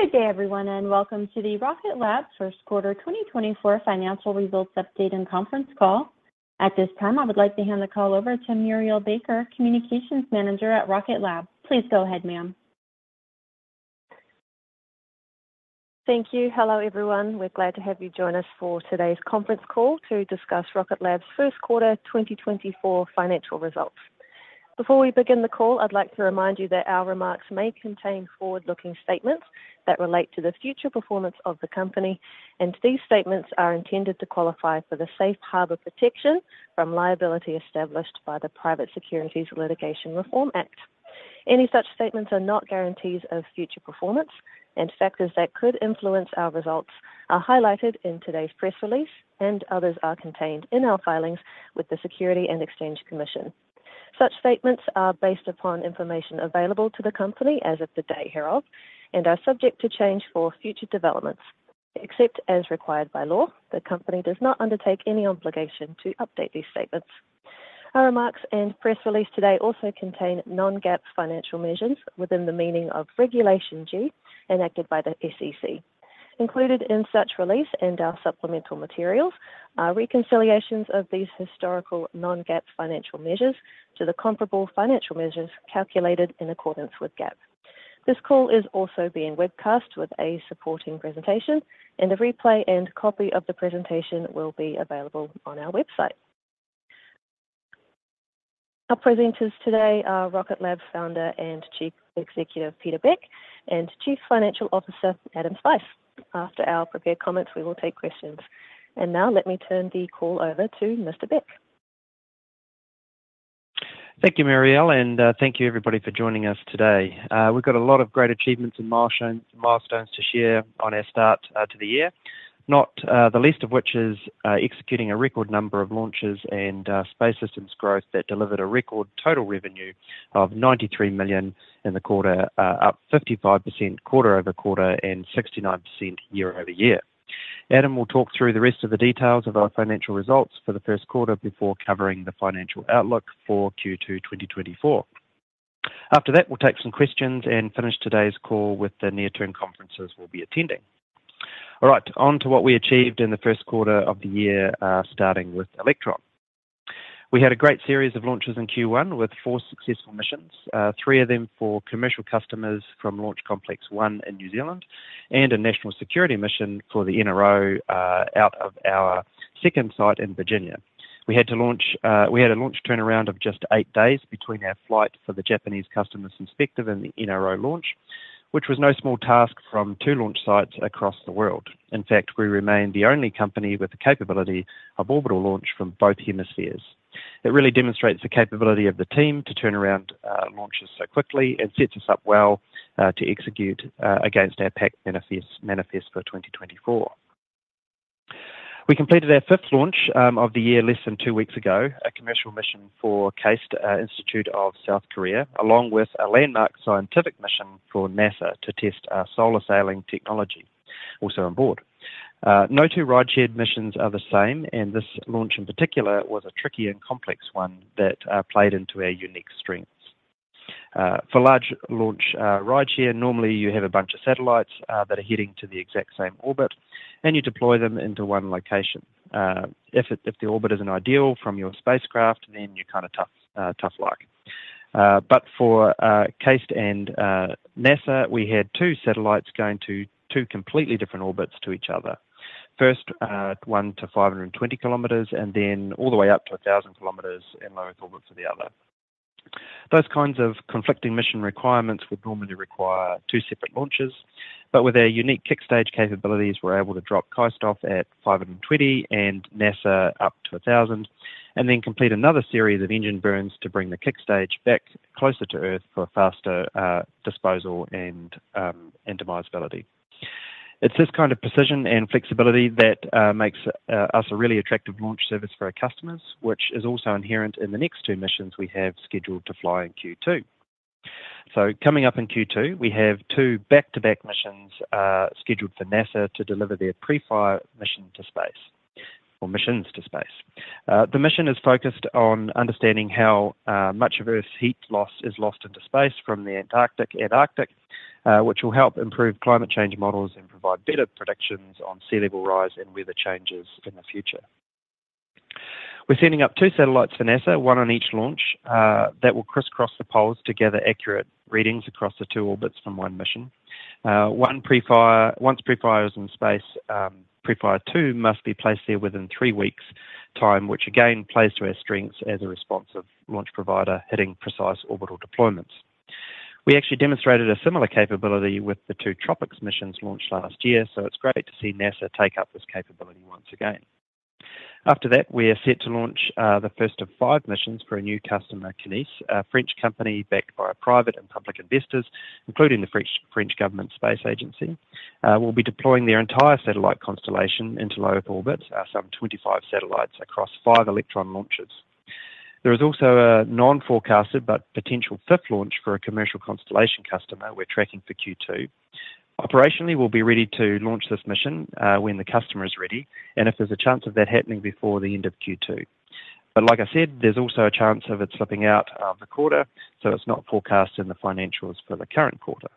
Good day, everyone, and welcome to the Rocket Lab first quarter 2024 financial results update and conference call. At this time, I would like to hand the call over to Muriel Baker, Communications Manager at Rocket Lab. Please go ahead, ma'am. Thank you. Hello, everyone. We're glad to have you join us for today's conference call to discuss Rocket Lab's first quarter 2024 financial results. Before we begin the call, I'd like to remind you that our remarks may contain forward-looking statements that relate to the future performance of the company, and these statements are intended to qualify for the safe harbor protection from liability established by the Private Securities Litigation Reform Act. Any such statements are not guarantees of future performance, and factors that could influence our results are highlighted in today's press release, and others are contained in our filings with the Securities and Exchange Commission. Such statements are based upon information available to the company as of the day hereof and are subject to change for future developments. Except as required by law, the company does not undertake any obligation to update these statements. Our remarks and press release today also contain non-GAAP financial measures within the meaning of Regulation G enacted by the SEC. Included in such release and our supplemental materials are reconciliations of these historical non-GAAP financial measures to the comparable financial measures calculated in accordance with GAAP. This call is also being webcast with a supporting presentation, and a replay and copy of the presentation will be available on our website. Our presenters today are Rocket Lab's Founder and Chief Executive, Peter Beck, and Chief Financial Officer, Adam Spice. After our prepared comments, we will take questions. Now let me turn the call over to Mr. Beck. Thank you, Muriel, and thank you, everybody, for joining us today. We've got a lot of great achievements and milestones to share on our start to the year, not the least of which is executing a record number of launches and Space Systems growth that delivered a record total revenue of $93 million in the quarter, up 55% quarter-over-quarter and 69% year-over-year. Adam will talk through the rest of the details of our financial results for the first quarter before covering the financial outlook for Q2 2024. After that, we'll take some questions and finish today's call with the near-term conferences we'll be attending. All right, on to what we achieved in the first quarter of the year, starting with Electron. We had a great series of launches in Q1 with four successful missions, three of them for commercial customers from Launch Complex 1 in New Zealand and a national security mission for the NRO out of our second site in Virginia. We had a launch turnaround of just eight days between our flight for the Japanese customer, Synspective, and the NRO launch, which was no small task from two launch sites across the world. In fact, we remain the only company with the capability of orbital launch from both hemispheres. It really demonstrates the capability of the team to turn around launches so quickly and sets us up well to execute against our packed manifest for 2024. We completed our fifth launch of the year less than two weeks ago, a commercial mission for KAIST Institute of South Korea, along with a landmark scientific mission for NASA to test our solar sailing technology, also on board. No two rideshare missions are the same, and this launch, in particular, was a tricky and complex one that played into our unique strengths. For large launch rideshare, normally you have a bunch of satellites that are heading to the exact same orbit, and you deploy them into one location. If the orbit isn't ideal from your spacecraft, then you're kind of tough luck. But for KAIST and NASA, we had two satellites going to two completely different orbits to each other. First, 1-520 km, and then all the way up to 1,000 km in low Earth orbit for the other. Those kinds of conflicting mission requirements would normally require two separate launches, but with our unique kick stage capabilities, we're able to drop KAIST off at 520 and NASA up to 1,000, and then complete another series of engine burns to bring the kick stage back closer to Earth for faster disposal and demisability. It's this kind of precision and flexibility that makes us a really attractive launch service for our customers, which is also inherent in the next two missions we have scheduled to fly in Q2. So coming up in Q2, we have two back-to-back missions scheduled for NASA to deliver their PREFIRE mission to space or missions to space. The mission is focused on understanding how much of Earth's heat loss is lost into space from the Antarctic and Arctic, which will help improve climate change models and provide better predictions on sea level rise and weather changes in the future. We're sending up two satellites for NASA, one on each launch, that will crisscross the poles to gather accurate readings across the two orbits from one mission. Once PREFIRE is in space, PREFIRE-two must be placed there within three weeks time, which again, plays to our strengths as a responsive launch provider, hitting precise orbital deployments. We actually demonstrated a similar capability with the two TROPICS missions launched last year, so it's great to see NASA take up this capability once again. After that, we are set to launch the first of five missions for a new customer, Kinéis, a French company backed by private and public investors, including the French government space agency. We'll be deploying their entire satellite constellation into low Earth orbit, some 25 satellites across five Electron launches. There is also a non-forecasted, but potential fifth launch for a commercial constellation customer we're tracking for Q2. Operationally, we'll be ready to launch this mission when the customer is ready, and if there's a chance of that happening before the end of Q2. But like I said, there's also a chance of it slipping out of the quarter, so it's not forecast in the financials for the current quarter.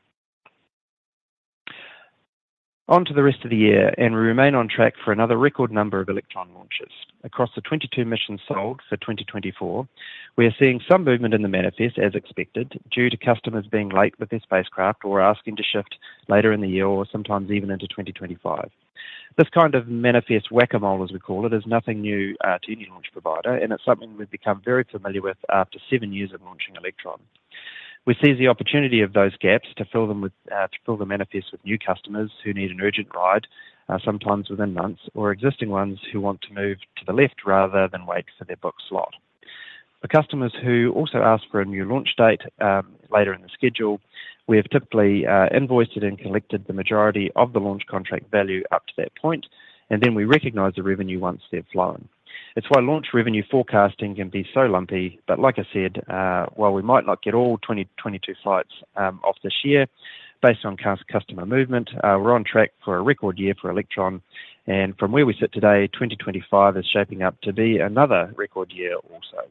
On to the rest of the year, and we remain on track for another record number of Electron launches. Across the 22 missions sold for 2024, we are seeing some movement in the manifest, as expected, due to customers being late with their spacecraft or asking to shift later in the year or sometimes even into 2025. This kind of manifest whack-a-mole, as we call it, is nothing new to any launch provider, and it's something we've become very familiar with after seven years of launching Electron. We seize the opportunity of those gaps to fill them with to fill the manifest with new customers who need an urgent ride, sometimes within months, or existing ones who want to move to the left rather than wait for their booked slot. For customers who also ask for a new launch date later in the schedule, we have typically invoiced and collected the majority of the launch contract value up to that point, and then we recognize the revenue once they've flown. It's why launch revenue forecasting can be so lumpy, but like I said, while we might not get all 2022 flights off this year, based on customer movement, we're on track for a record year for Electron, and from where we sit today, 2025 is shaping up to be another record year also.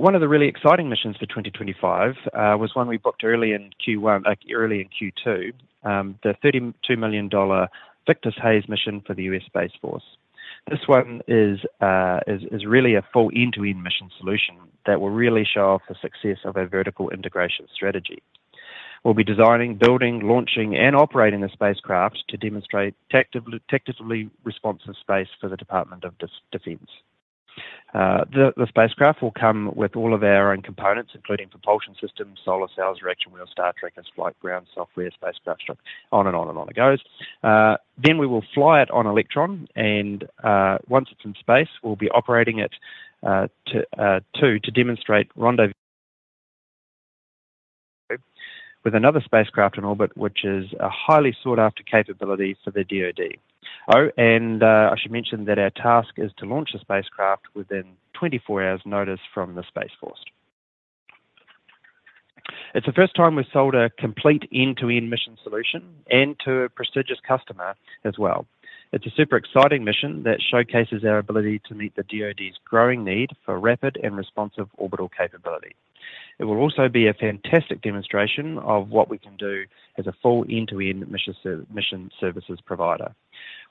One of the really exciting missions for 2025 was one we booked early in Q1, early in Q2. The $32 million Victus Haze mission for the U.S. Space Force. This one is really a full end-to-end mission solution that will really show off the success of our vertical integration strategy. We'll be designing, building, launching, and operating the spacecraft to demonstrate tactically responsive space for the Department of Defense. The spacecraft will come with all of our own components, including propulsion systems, solar cells, reaction wheels, star trackers, flight ground software, spacecraft structure, on and on and on it goes. Then we will fly it on Electron, and once it's in space, we'll be operating it to demonstrate rendezvous with another spacecraft in orbit, which is a highly sought-after capability for the DoD. Oh, and I should mention that our task is to launch the spacecraft within 24 hours' notice from the Space Force. It's the first time we've sold a complete end-to-end mission solution and to a prestigious customer as well. It's a super exciting mission that showcases our ability to meet the DoD's growing need for rapid and responsive orbital capability. It will also be a fantastic demonstration of what we can do as a full end-to-end mission services provider.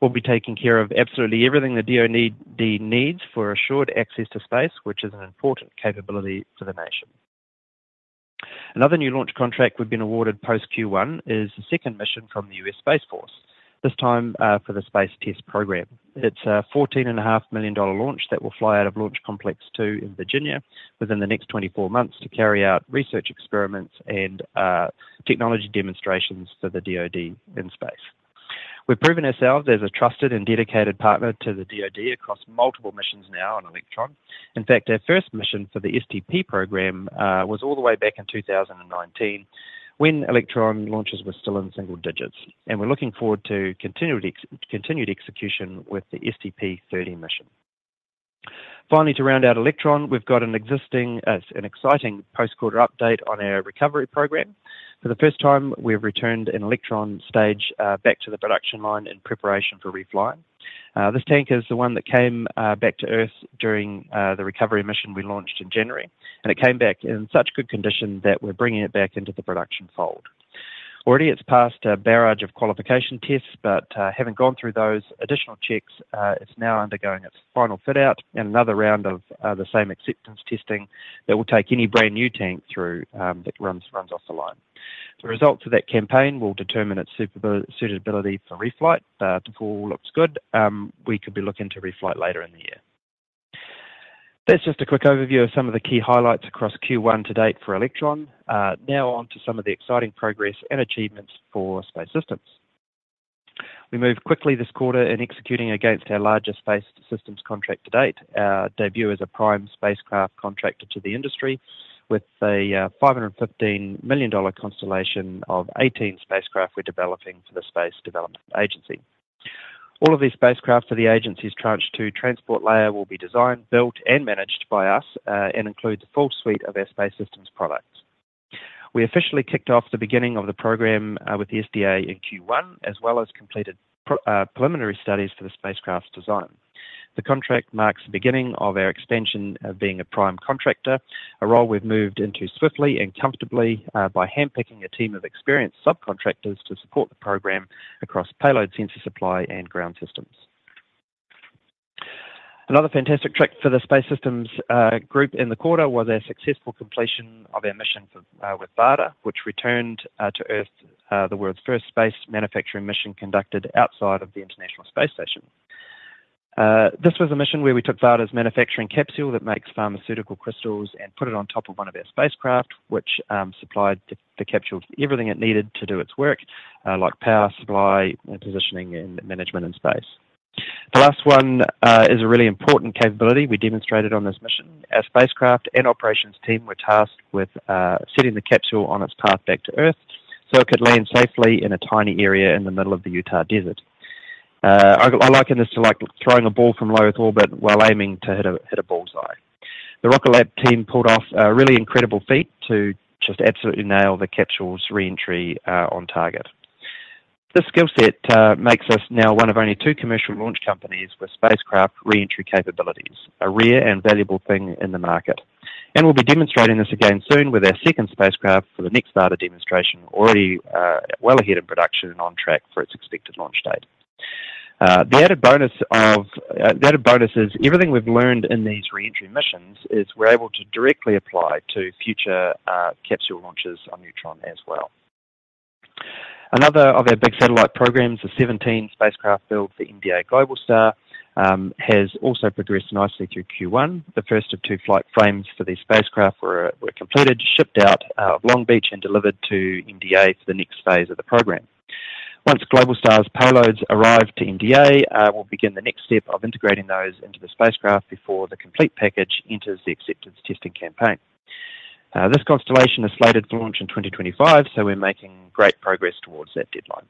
We'll be taking care of absolutely everything the DoD needs for assured access to space, which is an important capability for the nation. Another new launch contract we've been awarded post Q1 is the second mission from the U.S. Space Force, this time, for the Space Test Program. It's a $14.5 million launch that will fly out of Launch Complex 2 in Virginia within the next 24 months to carry out research experiments and technology demonstrations for the DoD in space. We've proven ourselves as a trusted and dedicated partner to the DoD across multiple missions now on Electron. In fact, our first mission for the STP program was all the way back in 2019, when Electron launches were still in single digits, and we're looking forward to continued execution with the STP-30 mission. Finally, to round out Electron, we've got an exciting post-quarter update on our recovery program. For the first time, we've returned an Electron stage back to the production line in preparation for refly. This tank is the one that came back to Earth during the recovery mission we launched in January, and it came back in such good condition that we're bringing it back into the production fold. Already, it's passed a barrage of qualification tests, but having gone through those additional checks, it's now undergoing its final fit-out and another round of the same acceptance testing that will take any brand-new tank through that runs off the line. The results of that campaign will determine its suitability for reflight. If all looks good, we could be looking to reflight later in the year. That's just a quick overview of some of the key highlights across Q1 to date for Electron. Now on to some of the exciting progress and achievements for Space Systems. We moved quickly this quarter in executing against our largest Space Systems contract to date. Our debut as a prime spacecraft contractor to the industry with a $515 million constellation of 18 spacecraft we're developing for the Space Development Agency. All of these spacecraft for the agency's Tranche 2 Transport Layer will be designed, built, and managed by us, and includes a full suite of our Space Systems products. We officially kicked off the beginning of the program, with the SDA in Q1, as well as completed preliminary studies for the spacecraft's design. The contract marks the beginning of our extension of being a prime contractor, a role we've moved into swiftly and comfortably, by handpicking a team of experienced subcontractors to support the program across payload, sensor supply, and ground systems. Another fantastic track for the Space Systems group in the quarter was a successful completion of our mission for with Varda, which returned to Earth, the world's first space manufacturing mission conducted outside of the International Space Station. This was a mission where we took Varda's manufacturing capsule that makes pharmaceutical crystals and put it on top of one of our spacecraft, which supplied the capsule everything it needed to do its work, like power supply and positioning and management in space. The last one is a really important capability we demonstrated on this mission. Our spacecraft and operations team were tasked with setting the capsule on its path back to Earth so it could land safely in a tiny area in the middle of the Utah desert. I liken this to like throwing a ball from low Earth orbit while aiming to hit a bullseye. The Rocket Lab team pulled off a really incredible feat to just absolutely nail the capsule's re-entry on target. This skill set makes us now one of only two commercial launch companies with spacecraft re-entry capabilities, a rare and valuable thing in the market. And we'll be demonstrating this again soon with our second spacecraft for the next Varda demonstration, already well ahead of production and on track for its expected launch date. The added bonus of the added bonus is everything we've learned in these re-entry missions is we're able to directly apply to future capsule launches on Neutron as well. Another of our big satellite programs, the 17 spacecraft build for MDA Globalstar has also progressed nicely through Q1. The first of two flight frames for these spacecraft were completed, shipped out Long Beach, and delivered to MDA for the next phase of the program. Once Globalstar's payloads arrive to MDA, we'll begin the next step of integrating those into the spacecraft before the complete package enters the acceptance testing campaign. This constellation is slated for launch in 2025, so we're making great progress towards that deadline.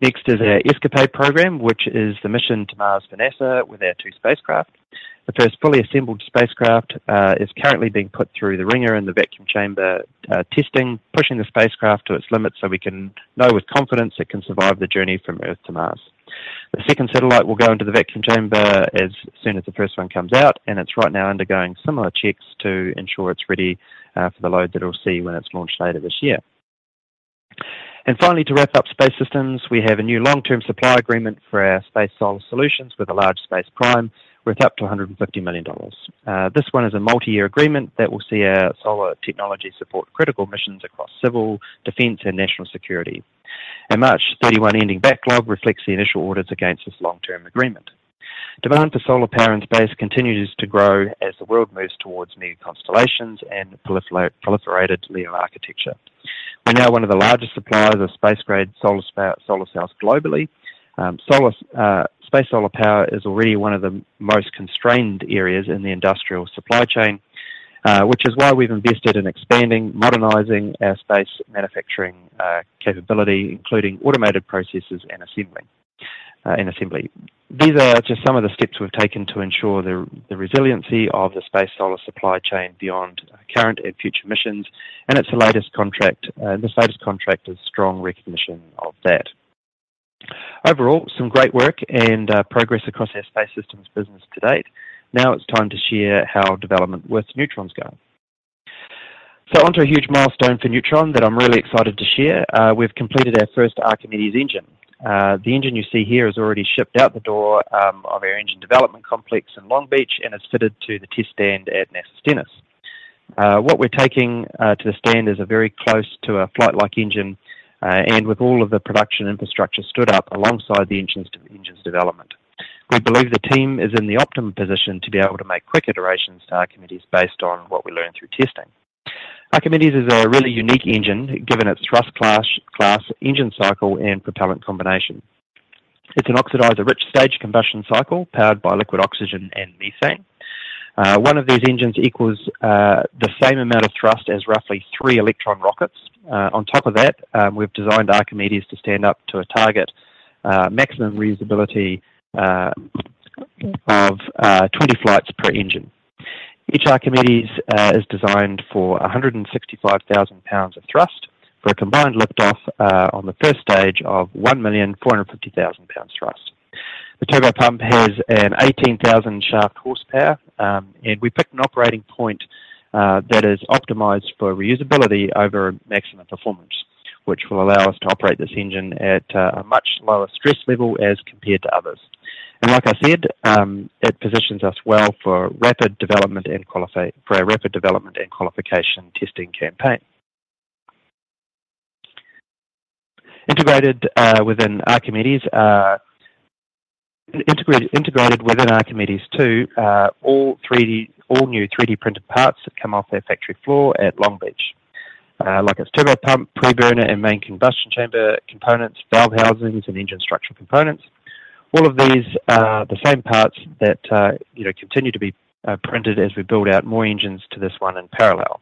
Next is our ESCAPADE program, which is the mission to Mars for NASA with our two spacecraft. The first fully assembled spacecraft is currently being put through the wringer in the vacuum chamber testing, pushing the spacecraft to its limits so we can know with confidence it can survive the journey from Earth to Mars. The second satellite will go into the vacuum chamber as soon as the first one comes out, and it's right now undergoing similar checks to ensure it's ready for the load that it'll see when it's launched later this year. Finally, to wrap up Space Systems, we have a new long-term supply agreement for our space solar solutions with a large space prime worth up to $150 million. This one is a multi-year agreement that will see our solar technology support critical missions across civil, defense, and national security. In 31 March ending backlog reflects the initial orders against this long-term agreement. Demand for solar power in space continues to grow as the world moves towards new constellations and proliferated LEO architecture. We're now one of the largest suppliers of space-grade solar cells globally. Solar, space solar power is already one of the most constrained areas in the industrial supply chain, which is why we've invested in expanding, modernizing our space manufacturing capability, including automated processes and assembling, and assembly. These are just some of the steps we've taken to ensure the resiliency of the space solar supply chain beyond current and future missions, and it's the latest contract, this latest contract is strong recognition of that. Overall, some great work and, progress across our Space Systems business to date. Now it's time to share how development with Neutron's going. So onto a huge milestone for Neutron that I'm really excited to share. We've completed our first Archimedes engine. The engine you see here is already shipped out the door, of our engine development complex in Long Beach and is fitted to the test stand at NASA Stennis. What we're taking to the stand is a very close to a flight-like engine, and with all of the production infrastructure stood up alongside the engine's development. We believe the team is in the optimum position to be able to make quick iterations to Archimedes based on what we learn through testing. Archimedes is a really unique engine, given its thrust class, engine cycle, and propellant combination. It's an oxidizer-rich staged combustion cycle, powered by liquid oxygen and methane. One of these engines equals the same amount of thrust as roughly three Electron rockets. On top of that, we've designed Archimedes to stand up to a target maximum reusability of 20 flights per engine. Each Archimedes is designed for 165,000 pounds of thrust for a combined liftoff on the first stage of 1,450,000 pounds thrust. The turbo pump has an 18,000-shaft horsepower, and we picked an operating point that is optimized for reusability over maximum performance, which will allow us to operate this engine at a much lower stress level as compared to others. Like I said, it positions us well for rapid development and qualification testing campaign. Integrated within Archimedes II, all new three-dimensional printed parts that come off their factory floor at Long Beach. Like its turbo pump, preburner, and main combustion chamber components, valve housings, and engine structural components. All of these are the same parts that, you know, continue to be printed as we build out more engines to this one in parallel.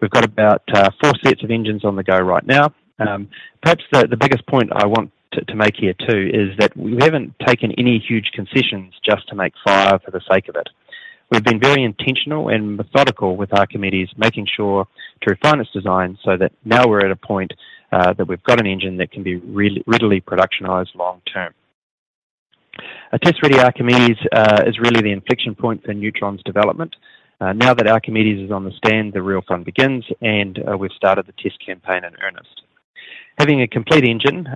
We've got about four sets of engines on the go right now. Perhaps the biggest point I want to make here, too, is that we haven't taken any huge concessions just to make it for the sake of it. We've been very intentional and methodical with Archimedes, making sure to refine this design so that now we're at a point that we've got an engine that can be readily productionized long term. A test-ready Archimedes is really the inflection point for Neutron's development. Now that Archimedes is on the stand, the real fun begins, and we've started the test campaign in earnest. Having a complete engine,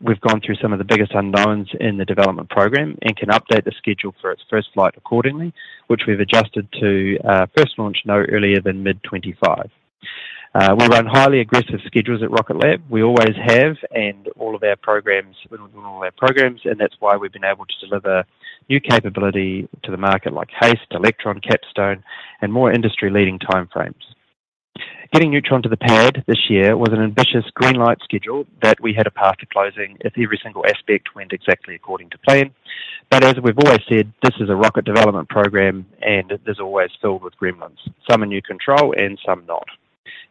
we've gone through some of the biggest unknowns in the development program and can update the schedule for its first flight accordingly, which we've adjusted to first launch no earlier than mid-2025. We run highly aggressive schedules at Rocket Lab. We always have, and all of our programs, with all our programs, and that's why we've been able to deliver new capability to the market like HASTE, Electron, CAPSTONE, and more industry-leading time frames. Getting Neutron to the pad this year was an ambitious green light schedule that we had a path to closing if every single aspect went exactly according to plan. But as we've always said, this is a rocket development program, and it is always filled with gremlins, some in your control and some not.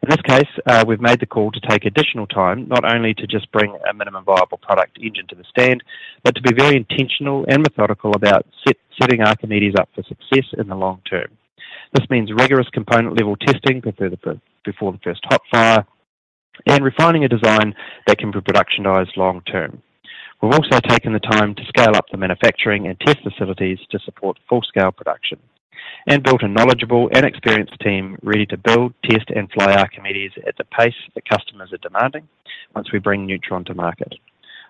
In this case, we've made the call to take additional time, not only to just bring a minimum viable product engine to the stand, but to be very intentional and methodical about setting Archimedes up for success in the long term. This means rigorous component level testing before the first hot fire, and refining a design that can be productionized long term. We've also taken the time to scale up the manufacturing and test facilities to support full-scale production, and built a knowledgeable and experienced team ready to build, test, and fly Archimedes at the pace that customers are demanding once we bring Neutron to market.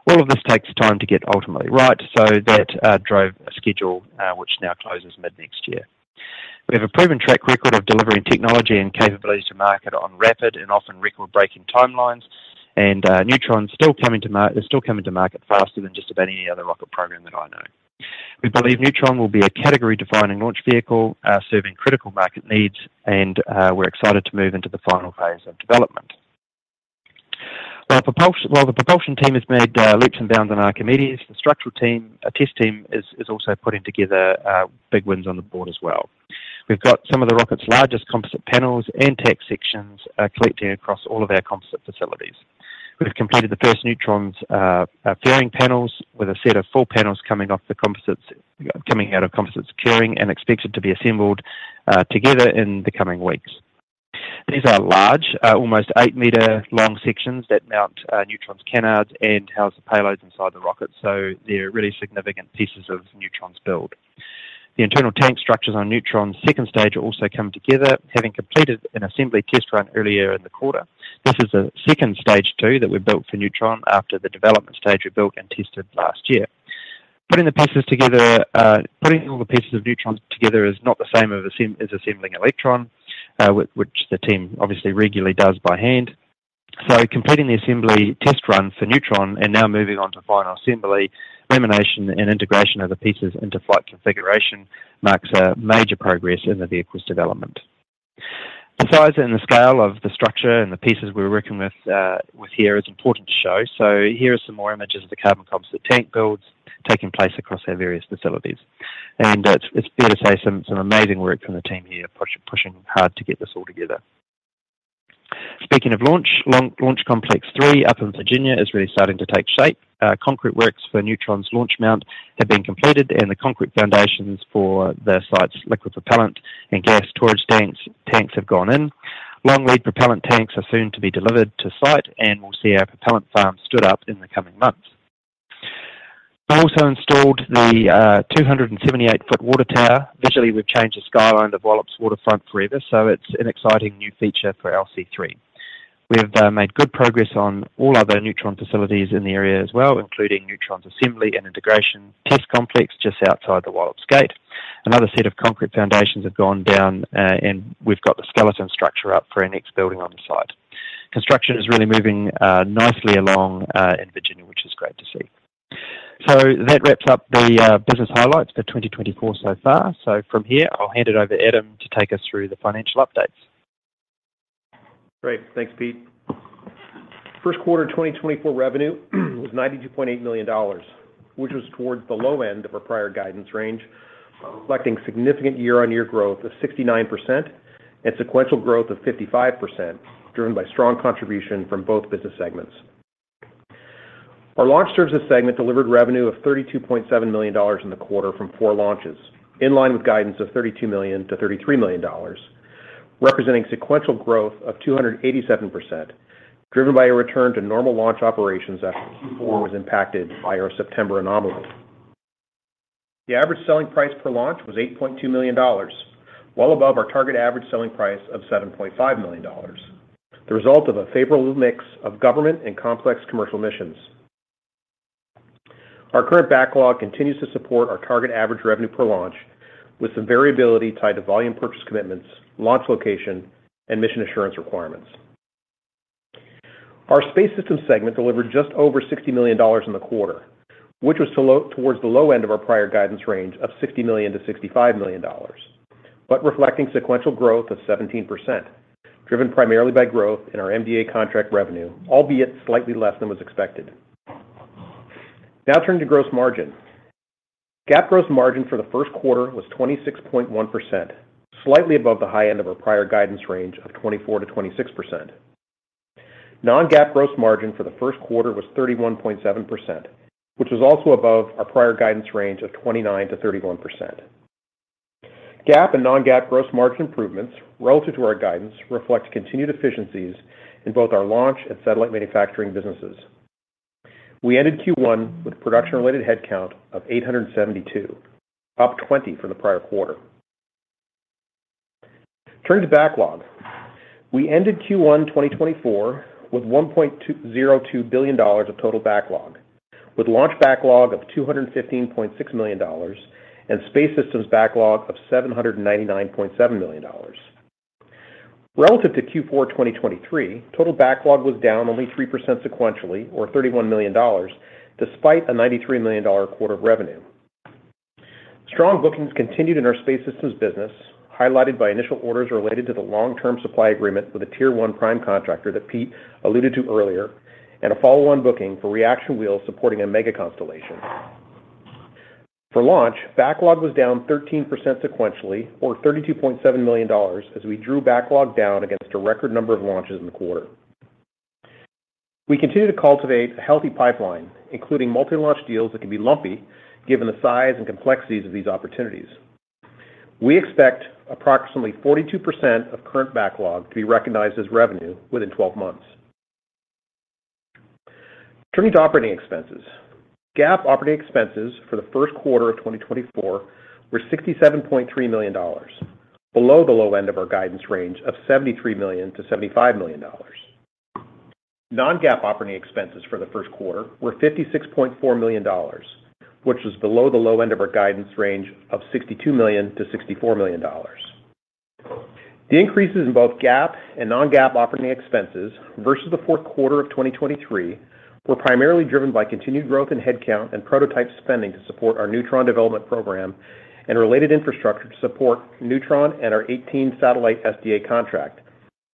All of this takes time to get ultimately right, so that drove a schedule, which now closes mid-next year. We have a proven track record of delivering technology and capabilities to market on rapid and often record-breaking timelines, and Neutron is still coming to market faster than just about any other rocket program that I know. We believe Neutron will be a category-defining launch vehicle, serving critical market needs, and, we're excited to move into the final phase of development. While the propulsion team has made leaps and bounds on Archimedes, the structural team, test team is also putting together big wins on the board as well. We've got some of the rocket's largest composite panels and tank sections, collecting across all of our composite facilities. We've completed the first Neutron's fairing panels, with a set of full panels coming out of composites curing and expected to be assembled together in the coming weeks. These are large, almost 8 m long sections that mount Neutron's canards and house the payloads inside the rocket, so they're really significant pieces of Neutron's build. The internal tank structures on Neutron's second stage are also coming together. Having completed an assembly test run earlier in the quarter, this is the second stage two that we've built for Neutron after the development stage we built and tested last year. Putting the pieces together, putting all the pieces of Neutron together is not the same as assembling Electron, which the team obviously regularly does by hand. So completing the assembly test run for Neutron and now moving on to final assembly, lamination and integration of the pieces into flight configuration marks a major progress in the vehicle's development. The size and the scale of the structure and the pieces we're working with here is important to show. So here are some more images of the carbon composite tank builds taking place across our various facilities. And, it's fair to say some amazing work from the team here, pushing hard to get this all together. Speaking of launch, Launch Complex 3 up in Virginia is really starting to take shape. Concrete works for Neutron's launch mount have been completed, and the concrete foundations for the site's liquid propellant and gas storage tanks have gone in. Long lead propellant tanks are soon to be delivered to site, and we'll see our propellant farm stood up in the coming months. We also installed the 278-foot water tower. Visually, we've changed the skyline of Wallops waterfront forever, so it's an exciting new feature for LC3. We have made good progress on all other Neutron facilities in the area as well, including Neutron's assembly and integration test complex just outside the Wallops gate. Another set of concrete foundations have gone down, and we've got the skeleton structure up for our next building on the site. Construction is really moving nicely along in Virginia, which is great to see. So that wraps up the business highlights for 2024 so far. From here, I'll hand it over to Adam to take us through the financial updates. Great. Thanks, Pete. First quarter of 2024 revenue was $92.8 million, which was towards the low end of our prior guidance range, reflecting significant year-on-year growth of 69% and sequential growth of 55%, driven by strong contribution from both business segments. Our launch services segment delivered revenue of $32.7 million in the quarter from four launches, in line with guidance of $32 million-$33 million, representing sequential growth of 287%, driven by a return to normal launch operations after Q4 was impacted by our September anomaly. The average selling price per launch was $8.2 million, well above our target average selling price of $7.5 million. The result of a favorable mix of government and complex commercial missions. Our current backlog continues to support our target average revenue per launch, with some variability tied to volume purchase commitments, launch location, and mission assurance requirements. Our Space Systems segment delivered just over $60 million in the quarter, which was towards the low end of our prior guidance range of $60 million-$65 million, but reflecting sequential growth of 17%, driven primarily by growth in our MDA contract revenue, albeit slightly less than was expected. Now turning to gross margin. GAAP gross margin for the first quarter was 26.1%, slightly above the high end of our prior guidance range of 24%-26%. Non-GAAP gross margin for the first quarter was 31.7%, which was also above our prior guidance range of 29%-31%. GAAP and non-GAAP gross margin improvements relative to our guidance reflects continued efficiencies in both our launch and satellite manufacturing businesses. We ended Q1 with production-related headcount of 872, up 20 from the prior quarter. Turning to backlog. We ended Q1 2024 with $1.02 billion of total backlog, with launch backlog of $215.6 million and Space Systems backlog of $799.7 million. Relative to Q4 2023, total backlog was down only 3% sequentially, or $31 million, despite a $93 million quarter of revenue. Strong bookings continued in our Space Systems business, highlighted by initial orders related to the long-term supply agreement with a tier one prime contractor that Pete alluded to earlier, and a follow-on booking for reaction wheels supporting a mega constellation. For launch, backlog was down 13% sequentially, or $32.7 million, as we drew backlog down against a record number of launches in the quarter. We continue to cultivate a healthy pipeline, including multi-launch deals that can be lumpy, given the size and complexities of these opportunities. We expect approximately 42% of current backlog to be recognized as revenue within 12 months. Turning to operating expenses. GAAP operating expenses for the first quarter of 2024 were $67.3 million, below the low end of our guidance range of $73 million-$75 million. Non-GAAP operating expenses for the first quarter were $56.4 million, which is below the low end of our guidance range of $62 million-$64 million. The increases in both GAAP and non-GAAP operating expenses versus the fourth quarter of 2023 were primarily driven by continued growth in headcount and prototype spending to support our Neutron development program and related infrastructure to support Neutron and our 18-satellite SDA contract,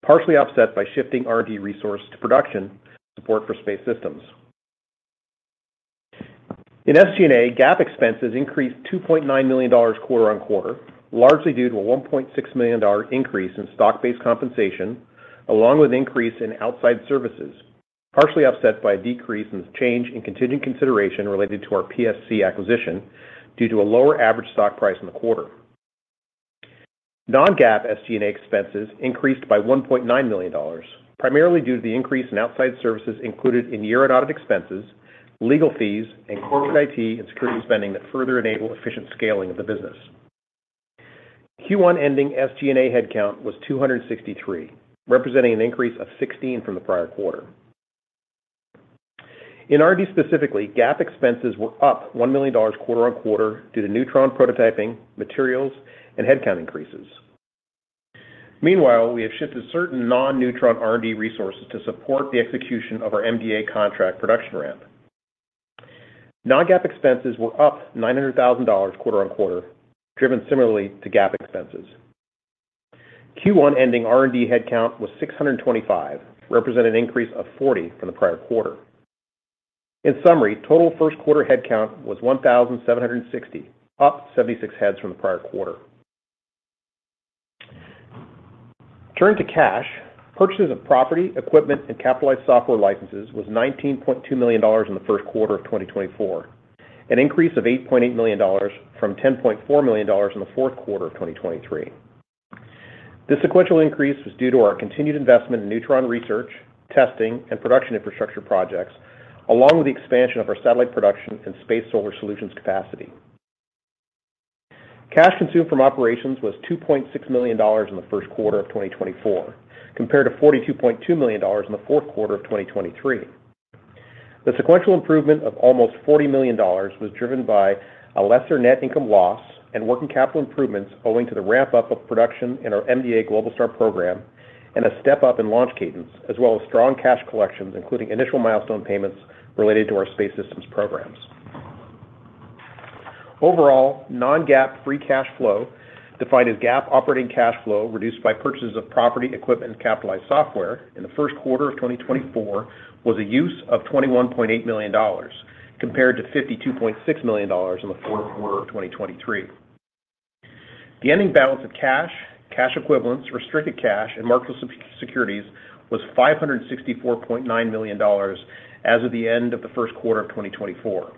partially offset by shifting R&D resource to production support for Space Systems. In SG&A, GAAP expenses increased $2.9 million quarter-over-quarter, largely due to a $1.6 million dollar increase in stock-based compensation, along with increase in outside services, partially offset by a decrease in the change in continuing consideration related to our PSC acquisition due to a lower average stock price in the quarter. Non-GAAP SG&A expenses increased by $1.9 million, primarily due to the increase in outside services included in year-end audit expenses, legal fees, and corporate IT and security spending that further enable efficient scaling of the business. Q1 ending SG&A headcount was 263, representing an increase of 16 from the prior quarter. In R&D, specifically, GAAP expenses were up $1 million quarter-over-quarter due to Neutron prototyping, materials, and headcount increases. Meanwhile, we have shifted certain non-Neutron R&D resources to support the execution of our MDA contract production ramp. Non-GAAP expenses were up $900,000 quarter-over-quarter, driven similarly to GAAP expenses. Q1 ending R&D headcount was 625, representing an increase of 40 from the prior quarter. In summary, total first quarter headcount was 1,760, up 76 heads from the prior quarter. Turning to cash, purchases of property, equipment, and capitalized software licenses was $19.2 million in the first quarter of 2024, an increase of $8.8 million from $10.4 million in the fourth quarter of 2023. This sequential increase was due to our continued investment in Neutron research, testing, and production infrastructure projects, along with the expansion of our satellite production and space solar solutions capacity. Cash consumed from operations was $2.6 million in the first quarter of 2024, compared to $42.2 million in the fourth quarter of 2023. The sequential improvement of almost $40 million was driven by a lesser net income loss and working capital improvements, owing to the ramp-up of production in our MDA Globalstar program and a step-up in launch cadence, as well as strong cash collections, including initial milestone payments related to our Space Systems programs. Overall, non-GAAP free cash flow, defined as GAAP operating cash flow, reduced by purchases of property, equipment, and capitalized software in the first quarter of 2024, was a use of $21.8 million, compared to $52.6 million in the fourth quarter of 2023. The ending balance of cash, cash equivalents, restricted cash, and marketable securities was $564.9 million as of the end of the first quarter of 2024.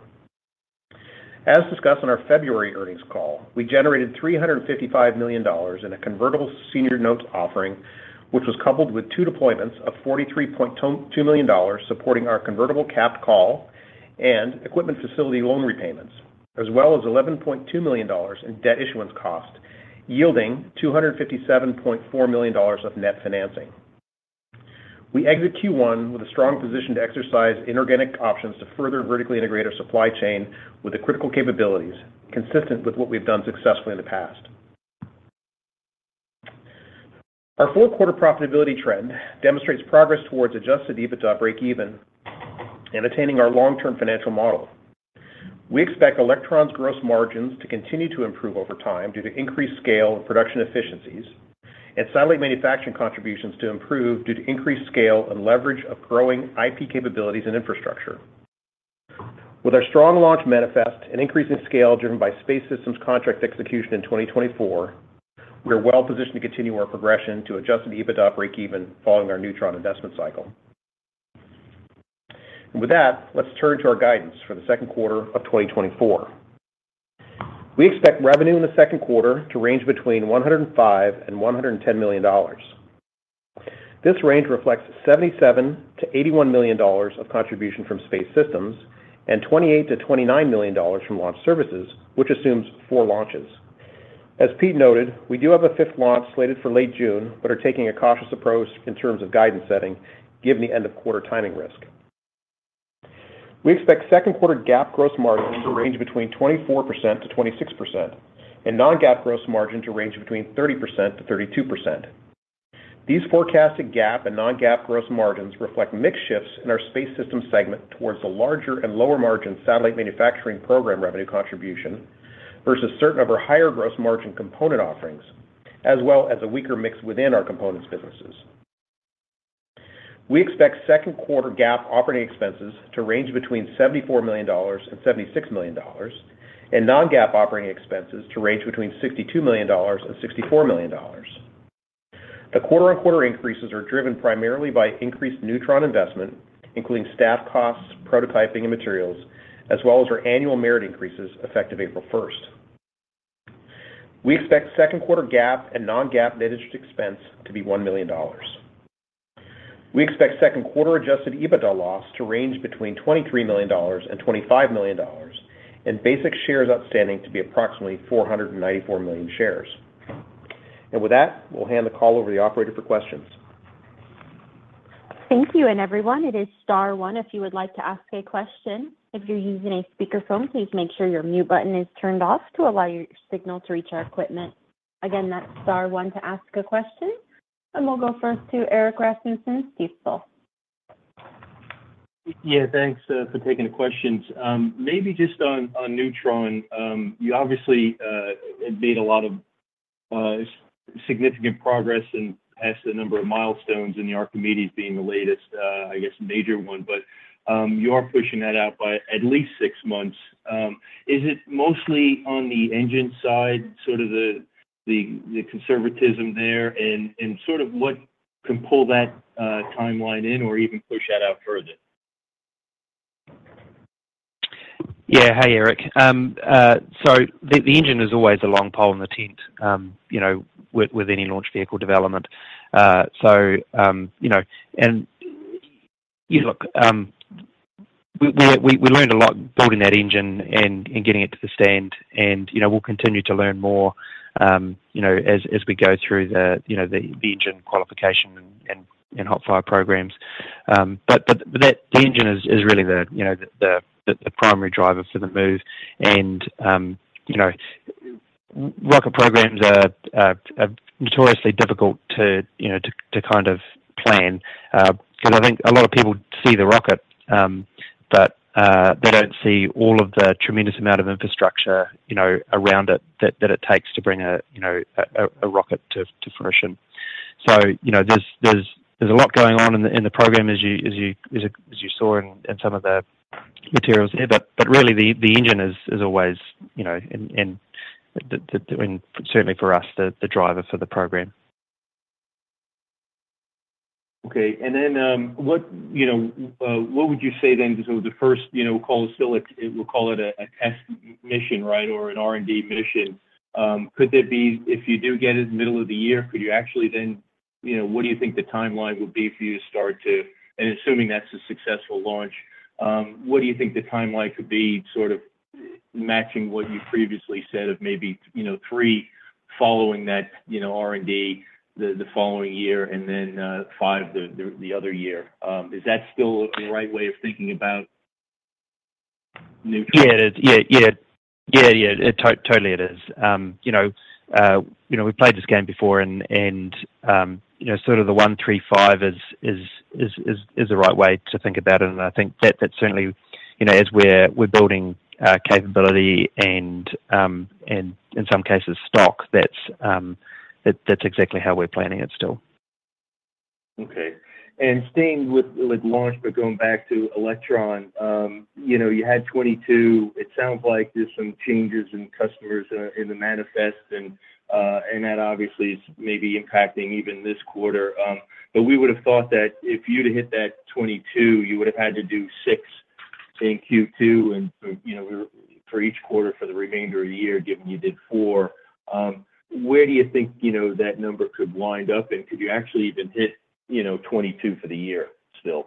As discussed on our February earnings call, we generated $355 million in a convertible senior notes offering, which was coupled with two deployments of $43.2 million, supporting our convertible capped call and equipment facility loan repayments, as well as $11.2 million in debt issuance cost, yielding $257.4 million of net financing. We exit Q1 with a strong position to exercise inorganic options to further vertically integrate our supply chain with the critical capabilities, consistent with what we've done successfully in the past. Our full quarter profitability trend demonstrates progress towards Adjusted EBITDA breakeven and attaining our long-term financial model. We expect Electron's gross margins to continue to improve over time due to increased scale and production efficiencies, and satellite manufacturing contributions to improve due to increased scale and leverage of growing IP capabilities and infrastructure. With our strong launch manifest and increasing scale driven by Space Systems contract execution in 2024, we are well positioned to continue our progression to adjusted EBITDA breakeven following our Neutron investment cycle. And with that, let's turn to our guidance for the second quarter of 2024. We expect revenue in the second quarter to range between $105 million-$110 million. This range reflects $77 million-$81 million of contribution from Space Systems and $28 million-$29 million from launch services, which assumes four launches. As Pete noted, we do have a fifth launch slated for late June, but are taking a cautious approach in terms of guidance setting, given the end-of-quarter timing risk. We expect second quarter GAAP gross margin to range between 24%-26% and non-GAAP gross margin to range between 30%-32%. These forecasted GAAP and non-GAAP gross margins reflect mix shifts in our space system segment towards the larger and lower-margin satellite manufacturing program revenue contribution versus certain of our higher gross margin component offerings, as well as a weaker mix within our components businesses. We expect second quarter GAAP operating expenses to range between $74 million and $76 million, and non-GAAP operating expenses to range between $62 million and $64 million. The quarter-on-quarter increases are driven primarily by increased Neutron investment, including staff costs, prototyping, and materials, as well as our annual merit increases effective 1 April. We expect second quarter GAAP and non-GAAP net interest expense to be $1 million. We expect second quarter adjusted EBITDA loss to range between $23 million and $25 million, and basic shares outstanding to be approximately 494 million shares. And with that, we'll hand the call over to the operator for questions. Thank you, and everyone, it is star one if you would like to ask a question. If you're using a speakerphone, please make sure your mute button is turned off to allow your signal to reach our equipment. Again, that's star one to ask a question, and we'll go first to Erik Rasmussen, Stifel. Yeah, thanks for taking the questions. Maybe just on Neutron. You obviously have made a lot of significant progress and passed a number of milestones, and the Archimedes being the latest, I guess, major one. But you are pushing that out by at least six months. Is it mostly on the engine side, sort of the conservatism there? And sort of what can pull that timeline in or even push that out further? Yeah. Hi, Erik. So the engine is always a long pole in the tent, you know, with any launch vehicle development. Yeah, look, we learned a lot building that engine and getting it to the stand and, you know, we'll continue to learn more, you know, as we go through the engine qualification and hot fire programs. But that—the engine is really the primary driver for the move. And, you know, rocket programs are notoriously difficult to kind of plan. Because I think a lot of people see the rocket, but they don't see all of the tremendous amount of infrastructure, you know, around it, that it takes to bring a, you know, a rocket to fruition. So, you know, there's a lot going on in the program as you saw in some of the materials here. But really, the engine is always, you know, and certainly for us, the driver for the program. Okay. And then, what, you know, what would you say then, so the first, you know, we'll call it still a test mission, right? Or an R&D mission. Could there be... If you do get it in the middle of the year, could you actually then, you know, what do you think the timeline would be for you to start to—And assuming that's a successful launch, what do you think the timeline could be sort of matching what you previously said of maybe, you know, three following that, you know, R&D, the following year and then, five the other year? Is that still the right way of thinking about Neutron? Yeah, it is. Yeah, yeah. Yeah, yeah, it totally it is. You know, you know, we've played this game before and, and, you know, sort of the 1-3-5 is the right way to think about it. And I think that, that certainly, you know, as we're, we're building capability and, and in some cases stock, that's, that's exactly how we're planning it still. Okay. And staying with launch, but going back to Electron. You know, you had 22. It sounds like there's some changes in customers in the manifest, and that obviously is maybe impacting even this quarter. But we would've thought that if you'd hit that 22, you would've had to do six in Q2, and, you know, we're—for each quarter for the remainder of the year, given you did four. Where do you think, you know, that number could wind up, and could you actually even hit, you know, 22 for the year still?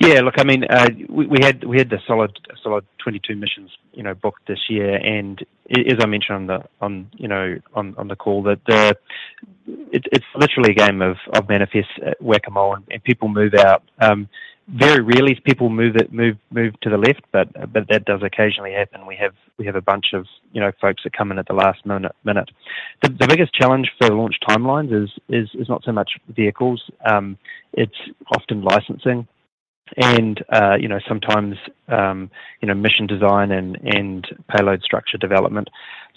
Yeah, look, I mean, we had the solid, solid 22 missions, you know, booked this year. And as I mentioned on the call, you know, that the... It's literally a game of manifest Whack-A-Mole and people move out. Very rarely people move it to the left, but that does occasionally happen. We have a bunch of, you know, folks that come in at the last minute. The biggest challenge for the launch timelines is not so much vehicles, it's often licensing and, you know, sometimes mission design and payload structure development.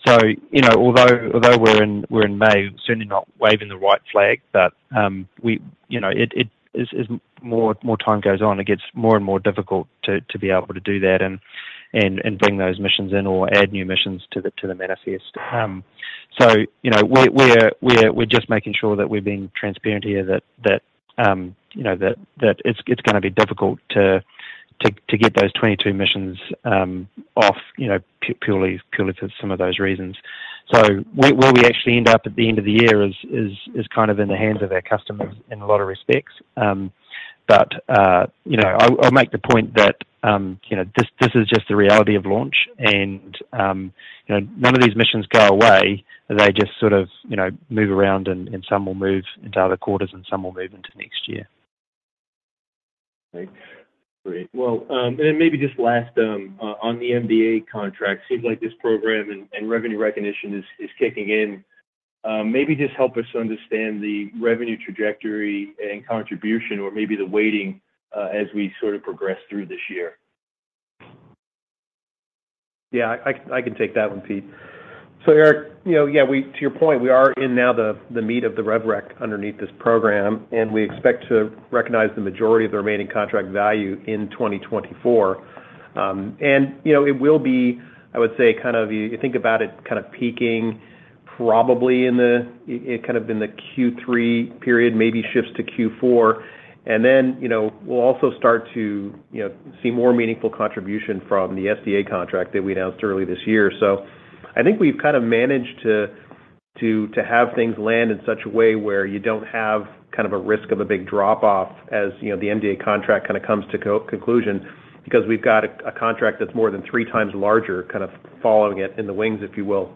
So, you know, although we're in May, certainly not waving the white flag, but, you know, as more time goes on, it gets more and more difficult to be able to do that and bring those missions in or add new missions to the manifest. So, you know, we're just making sure that we're being transparent here, that it's gonna be difficult to get those 22 missions off, you know, purely for some of those reasons. So where we actually end up at the end of the year is kind of in the hands of our customers in a lot of respects. But, you know, I'll, I'll make the point that, you know, this, this is just the reality of launch and, you know, none of these missions go away. They just sort of, you know, move around, and, and some will move into other quarters and some will move into next year. Great. Well, and then maybe just last, on the MDA contract. Seems like this program and revenue recognition is kicking in. Maybe just help us understand the revenue trajectory and contribution or maybe the weighting, as we sort of progress through this year. Yeah, I can take that one, Pete. So Erik, you know, yeah, we—to your point, we are now in the meat of the Rev-Rec underneath this program, and we expect to recognize the majority of the remaining contract value in 2024. And, you know, it will be, I would say, kind of—you think about it—kind of peaking probably in the kind of in the Q3 period, maybe shifts to Q4. And then, you know, we'll also start to, you know, see more meaningful contribution from the SDA contract that we announced earlier this year. So I think we've kind of managed to have things land in such a way where you don't have kind of a risk of a big drop-off, as you know, the MDA contract kind of comes to conclusion, because we've got a contract that's more than three times larger, kind of following it in the wings, if you will.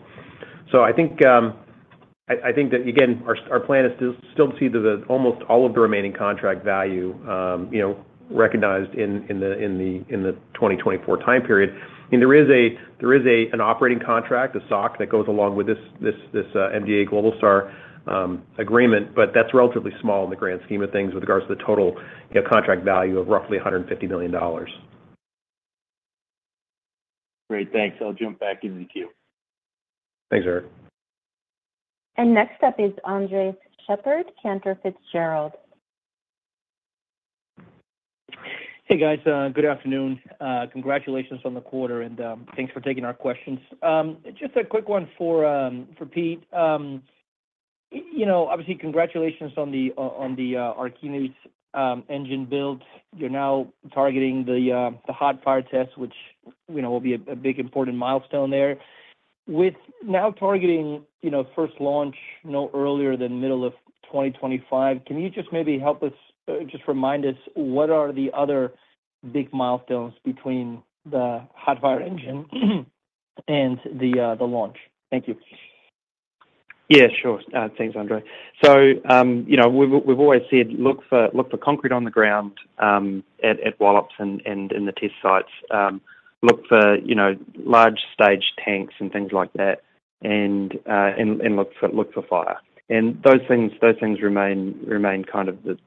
So I think I think that, again, our plan is to still see almost all of the remaining contract value, you know, recognized in the 2024 time period. And there is an operating contract, a SOC, that goes along with this MDA Globalstar agreement, but that's relatively small in the grand scheme of things with regards to the total, you know, contract value of roughly $150 million. Great, thanks. I'll jump back in the queue. Thanks, Erik. Next up is Andres Sheppard, Cantor Fitzgerald. Hey, guys, good afternoon. Congratulations on the quarter, and thanks for taking our questions. Just a quick one for Pete. You know, obviously, congratulations on the Archimedes engine build. You're now targeting the hot fire test, which, you know, will be a big important milestone there. With now targeting, you know, first launch no earlier than middle of 2025, can you just maybe help us just remind us, what are the other big milestones between the hot fire engine and the launch? Thank you. Yeah, sure. Thanks, Andres. So, you know, we've always said, "Look for concrete on the ground at Wallops and in the test sites. Look for, you know, large stage tanks and things like that, and look for fire." And those things remain kind of the,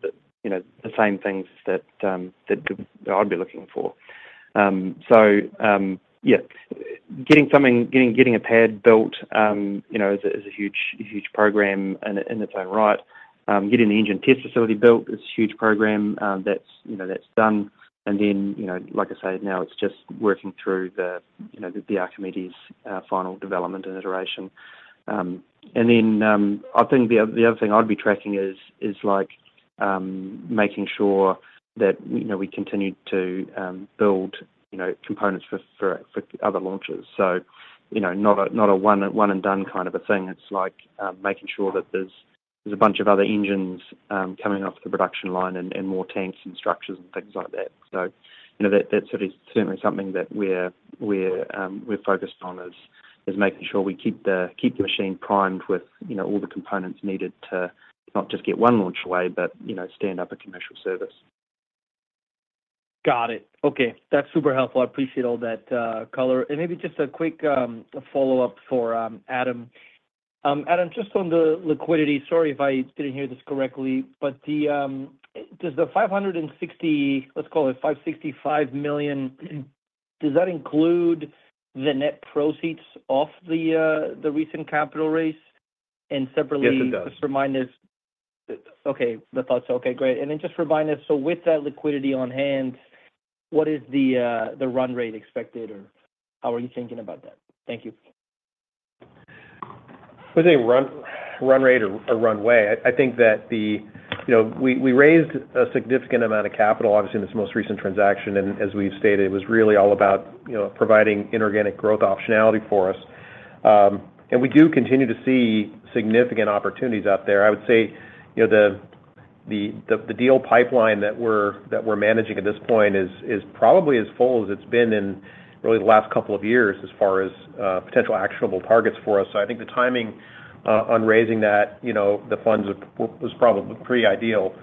you know, the same things that that I'd be looking for. So, yeah, getting a pad built, you know, is a huge program in its own right. Getting the engine test facility built is a huge program, that's, you know, that's done. And then, you know, like I said, now it's just working through the, you know, the Archimedes' final development and iteration. And then, I think the other thing I'd be tracking is like making sure that, you know, we continue to build, you know, components for other launches. So, you know, not a one-and-done kind of a thing. It's like making sure that there's a bunch of other engines coming off the production line and more tanks and structures and things like that. So, you know, that sort of is certainly something that we're focused on, is making sure we keep the machine primed with, you know, all the components needed to not just get one launch away, but, you know, stand up a commercial service. Got it. Okay, that's super helpful. I appreciate all that color. And maybe just a quick follow-up for Adam. Adam, just on the liquidity, sorry if I didn't hear this correctly, but the $565 million, does that include the net proceeds of the recent capital raise? And separately- Yes, it does. Okay, the thoughts, okay, great. And then just remind us, so with that liquidity on hand, what is the run rate expected, or how are you thinking about that? Thank you. With the runway, I think that the—you know, we raised a significant amount of capital, obviously, in this most recent transaction, and as we've stated, it was really all about, you know, providing inorganic growth optionality for us. And we do continue to see significant opportunities out there. I would say, you know, the deal pipeline that we're managing at this point is probably as full as it's been in really the last couple of years, as far as potential actionable targets for us. So I think the timing on raising that, you know, the funds was probably pretty ideal.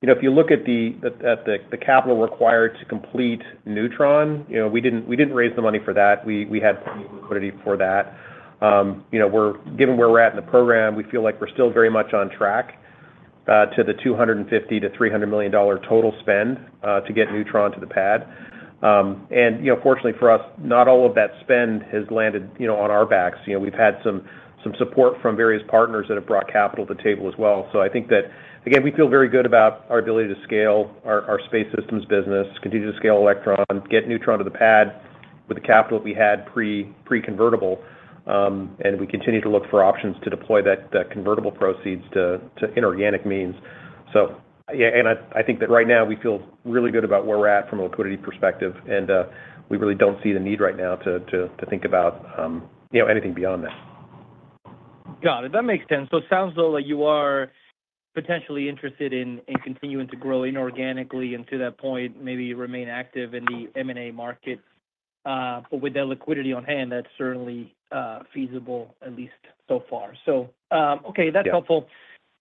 You know, if you look at the capital required to complete Neutron, you know, we didn't raise the money for that. We had liquidity for that. You know, we're given where we're at in the program, we feel like we're still very much on track to the $250 million-$300 million total spend to get Neutron to the pad. And, you know, fortunately for us, not all of that spend has landed, you know, on our backs. You know, we've had some support from various partners that have brought capital to the table as well. So I think that, again, we feel very good about our ability to scale our Space Systems business, continue to scale Electron, get Neutron to the pad with the capital we had pre-convertible, and we continue to look for options to deploy the convertible proceeds to inorganic means. So yeah, I think that right now we feel really good about where we're at from a liquidity perspective, and we really don't see the need right now to think about, you know, anything beyond this. Got it. That makes sense. So it sounds, though, like you are potentially interested in, in continuing to grow inorganically, and to that point, maybe remain active in the M&A market, but with that liquidity on hand, that's certainly, feasible, at least so far. So, okay- Yeah. That's helpful.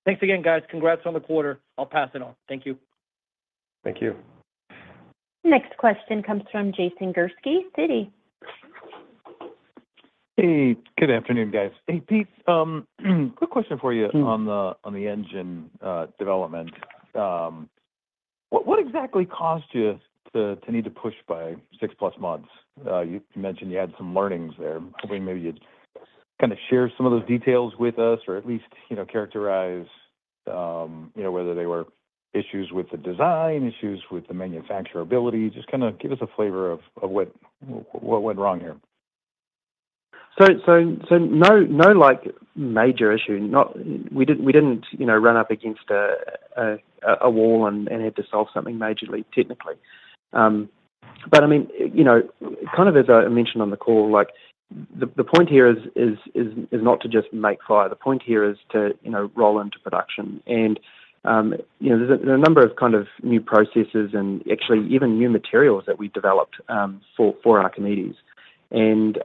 Thanks again, guys. Congrats on the quarter. I'll pass it on. Thank you. Thank you. Next question comes from Jason Gursky, Citi. Hey, good afternoon, guys. Hey, Pete, quick question for you- Mm. on the engine development. What exactly caused you to need to push by 6+ months? You mentioned you had some learnings there. Hoping maybe you'd kind of share some of those details with us, or at least, you know, characterize-... you know, whether they were issues with the design, issues with the manufacturability? Just kind of give us a flavor of what went wrong here. So, no, like, major issue, not—we didn't, you know, run up against a wall and had to solve something majorly, technically. But I mean, you know, kind of as I mentioned on the call, like, the point here is not to just make fire. The point here is to, you know, roll into production. And, you know, there are a number of kind of new processes and actually even new materials that we developed for Archimedes. And,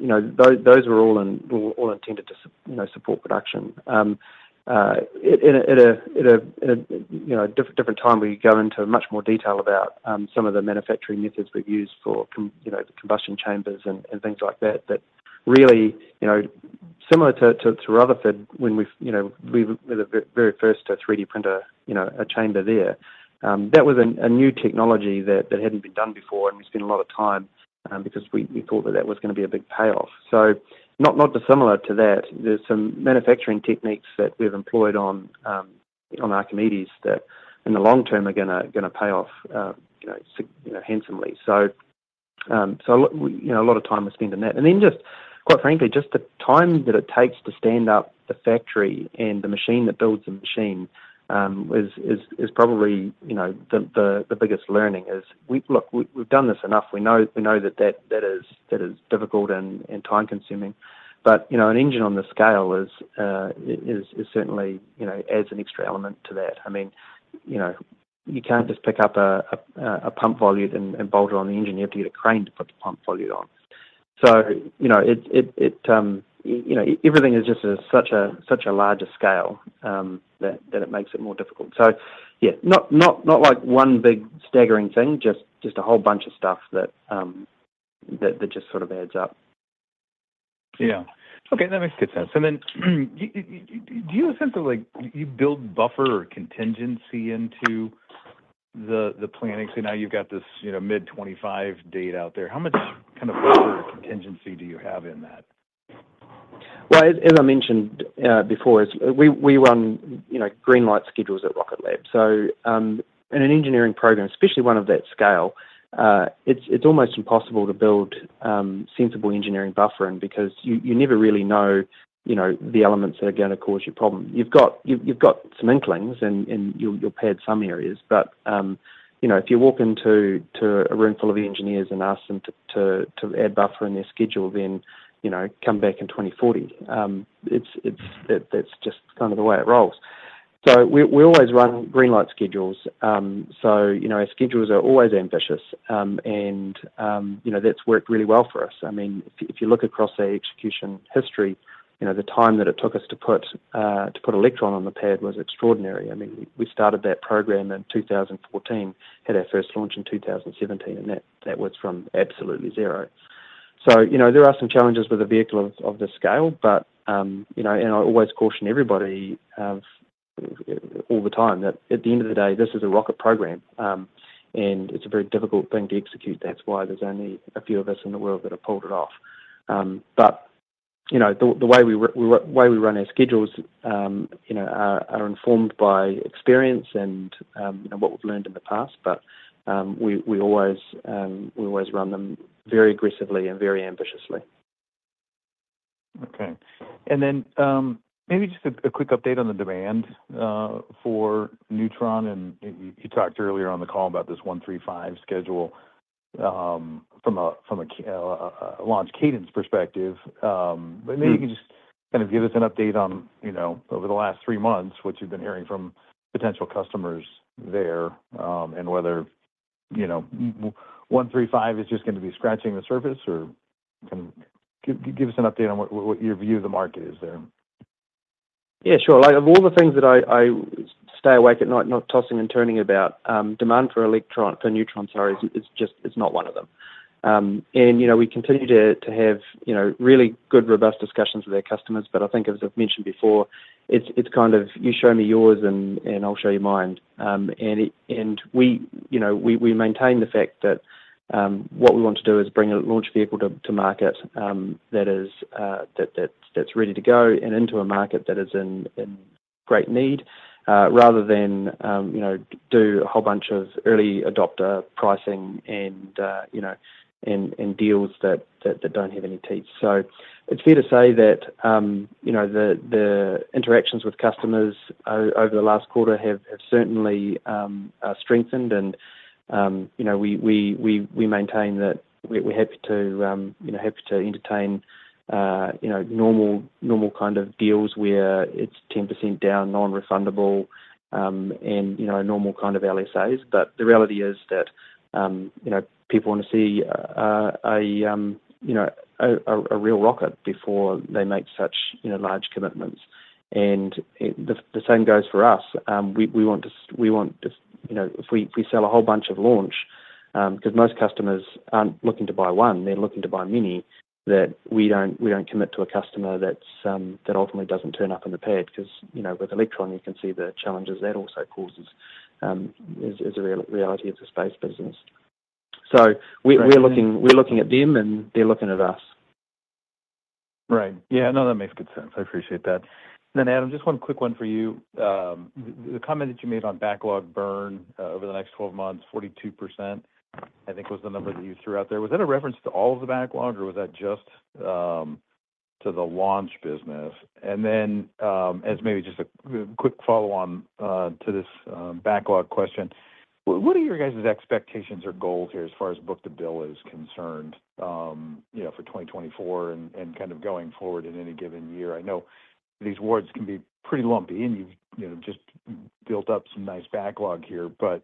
you know, those were all intended to, you know, support production. At a different time, we go into much more detail about some of the manufacturing methods we've used for combustion chambers and things like that. But really, you know, similar to Rutherford, when we were the very first to 3D print a chamber there. That was a new technology that hadn't been done before, and we spent a lot of time because we thought that that was gonna be a big payoff. So not dissimilar to that, there's some manufacturing techniques that we've employed on Archimedes, that in the long term are gonna pay off handsomely. So you know, a lot of time was spent on that. Then just, quite frankly, just the time that it takes to stand up the factory and the machine that builds the machine is probably, you know, the biggest learning. Look, we've done this enough. We know that that is difficult and time-consuming. But, you know, an engine on this scale is certainly, you know, adds an extra element to that. I mean, you know, you can't just pick up a pump volute and bolt it on the engine. You have to get a crane to put the pump volute on. So, you know, it you know, everything is just such a larger scale that it makes it more difficult. So yeah, not like one big staggering thing, just a whole bunch of stuff that just sort of adds up. Yeah. Okay, that makes good sense. And then, do you have a sense of like, you build buffer or contingency into the, the planning? So now you've got this, you know, mid-2025 date out there. How much kind of buffer or contingency do you have in that? Well, as I mentioned before, is we run, you know, green light schedules at Rocket Lab. So, in an engineering program, especially one of that scale, it's almost impossible to build sensible engineering buffering, because you never really know, you know, the elements that are gonna cause you problem. You've got some inklings and you'll pad some areas, but, you know, if you walk into a room full of engineers and ask them to add buffer in their schedule, then, you know, come back in 2040. It's that's just kind of the way it rolls. So we always run green light schedules. So, you know, our schedules are always ambitious. And, you know, that's worked really well for us. I mean, if you, if you look across our execution history, you know, the time that it took us to put to put Electron on the pad was extraordinary. I mean, we started that program in 2014, had our first launch in 2017, and that, that was from absolutely zero. So, you know, there are some challenges with a vehicle of, of this scale, but, you know, and I always caution everybody, all the time, that at the end of the day, this is a rocket program. And it's a very difficult thing to execute. That's why there's only a few of us in the world that have pulled it off. But, you know, the way we run our schedules, you know, are informed by experience and, you know, what we've learned in the past, but we always run them very aggressively and very ambitiously. Okay. Maybe just a quick update on the demand for Neutron, and you talked earlier on the call about this 1-3-5 schedule from a launch cadence perspective. But maybe you can just kind of give us an update on, you know, over the last three months, what you've been hearing from potential customers there, and whether, you know, 1-3-5 is just gonna be scratching the surface or kind of give us an update on what your view of the market is there? Yeah, sure. Like, of all the things that I stay awake at night, not tossing and turning about, demand for Electron, for Neutron, sorry, is just, it's not one of them. And, you know, we continue to have, you know, really good, robust discussions with our customers, but I think as I've mentioned before, it's kind of you show me yours, and I'll show you mine. And we, you know, we maintain the fact that, what we want to do is bring a launch vehicle to market, that is, that that's ready to go and into a market that is in great need, rather than, you know, do a whole bunch of early adopter pricing and, you know, and deals that don't have any teeth. So it's fair to say that, you know, the interactions with customers over the last quarter have certainly strengthened and, you know, we maintain that we're happy to entertain, you know, normal kind of deals where it's 10% down, non-refundable, and, you know, normal kind of LSAs. But the reality is that, you know, people want to see a real rocket before they make such, you know, large commitments. And the same goes for us. We want to, you know, if we sell a whole bunch of launch, because most customers aren't looking to buy one, they're looking to buy many, that we don't commit to a customer that's that ultimately doesn't turn up on the pad, cause, you know, with Electron, you can see the challenges that also causes, is a reality of the space business. So we're looking at them, and they're looking at us.... Right. Yeah, no, that makes good sense. I appreciate that. Then, Adam, just one quick one for you. The comment that you made on backlog burn over the next 12 months, 42%, I think, was the number that you threw out there. Was that a reference to all of the backlog, or was that just to the launch business? And then, as maybe just a quick follow-on to this backlog question, what are your guys' expectations or goals here as far as book-to-bill is concerned, you know, for 2024 and kind of going forward in any given year? I know these awards can be pretty lumpy, and you've, you know, just built up some nice backlog here, but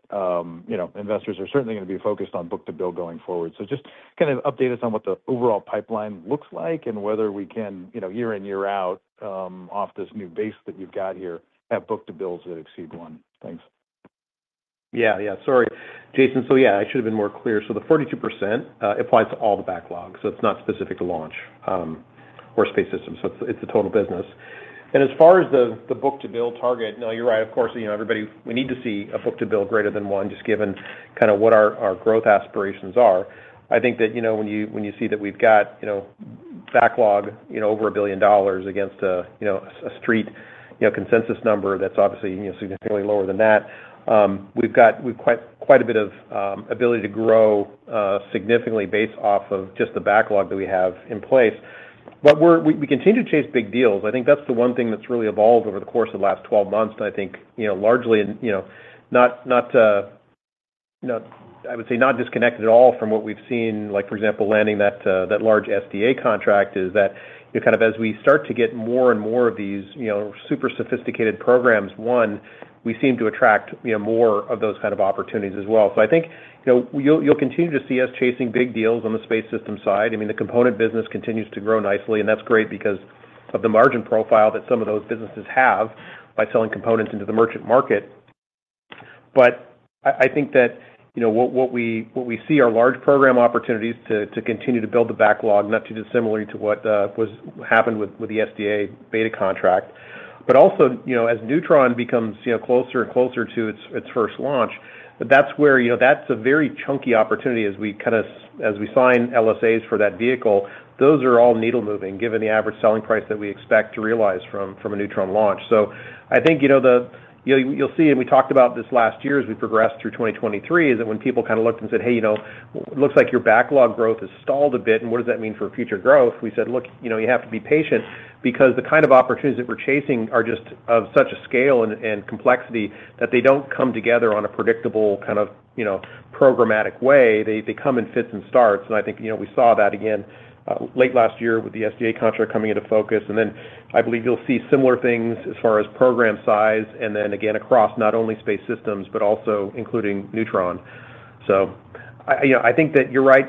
you know, investors are certainly going to be focused on book-to-bill going forward. So just kind of update us on what the overall pipeline looks like and whether we can, you know, year in, year out, off this new base that you've got here, have book-to-bills that exceed one? Thanks. Yeah. Yeah. Sorry, Jason. So, yeah, I should have been more clear. So the 42% applies to all the backlogs, so it's not specific to launch or Space Systems, so it's the total business. And as far as the book-to-bill target, no, you're right, of course, you know, everybody we need to see a book-to-bill greater than one, just given kinda what our growth aspirations are. I think that, you know, when you see that we've got, you know, backlog, you know, over $1 billion against a street consensus number that's obviously, you know, significantly lower than that, we've got we've quite a bit of ability to grow significantly based off of just the backlog that we have in place. But we're we continue to chase big deals. I think that's the one thing that's really evolved over the course of the last 12 months, and I think, you know, largely, and, you know, not, not, you know, I would say, not disconnected at all from what we've seen, like, for example, landing that, that large SDA contract, is that, you know, kind of, as we start to get more and more of these, you know, super sophisticated programs, one, we seem to attract, you know, more of those kind of opportunities as well. So I think, you know, you'll, you'll continue to see us chasing big deals on the space system side. I mean, the component business continues to grow nicely, and that's great because of the margin profile that some of those businesses have by selling components into the merchant market. But I think that, you know, what we see are large program opportunities to continue to build the backlog, not too dissimilar to what was happened with the SDA Beta contract. But also, you know, as Neutron becomes, you know, closer and closer to its first launch, that's where, you know. That's a very chunky opportunity as we kind of, as we sign LSAs for that vehicle, those are all needle moving, given the average selling price that we expect to realize from a Neutron launch. So I think, you know, the... You'll see, and we talked about this last year as we progressed through 2023, is that when people kind of looked and said, "Hey, you know, looks like your backlog growth has stalled a bit, and what does that mean for future growth?" We said: Look, you know, you have to be patient because the kind of opportunities that we're chasing are just of such a scale and complexity that they don't come together on a predictable kind of, you know, programmatic way. They come in fits and starts. And I think, you know, we saw that again late last year with the SDA contract coming into focus. And then I believe you'll see similar things as far as program size, and then again, across not only Space Systems, but also including Neutron. So I, you know, I think that you're right.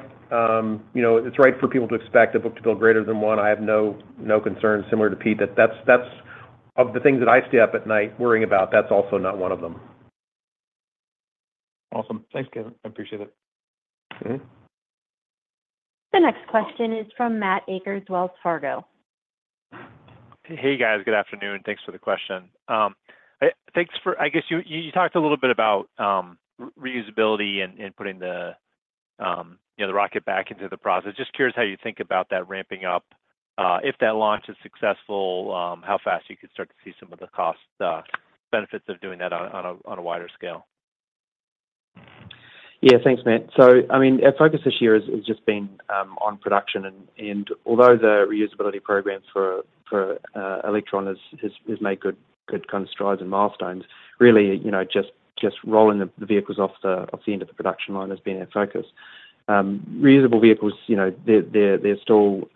You know, it's right for people to expect a book-to-bill greater than one. I have no, no concerns, similar to Pete, that that's... Of the things that I stay up at night worrying about, that's also not one of them. Awesome. Thanks, Kevin. I appreciate it. Mm-hmm. The next question is from Matthew Akers, Wells Fargo. Hey, guys. Good afternoon. Thanks for the question. I guess you talked a little bit about reusability and putting the rocket back into the process. Just curious how you think about that ramping up, if that launch is successful, how fast you could start to see some of the cost benefits of doing that on a wider scale? Yeah, thanks, Matt. So, I mean, our focus this year has just been on production, and although the reusability programs for Electron has made good kind of strides and milestones, really, you know, just rolling the vehicles off the end of the production line has been our focus. Reusable vehicles, you know, they're still,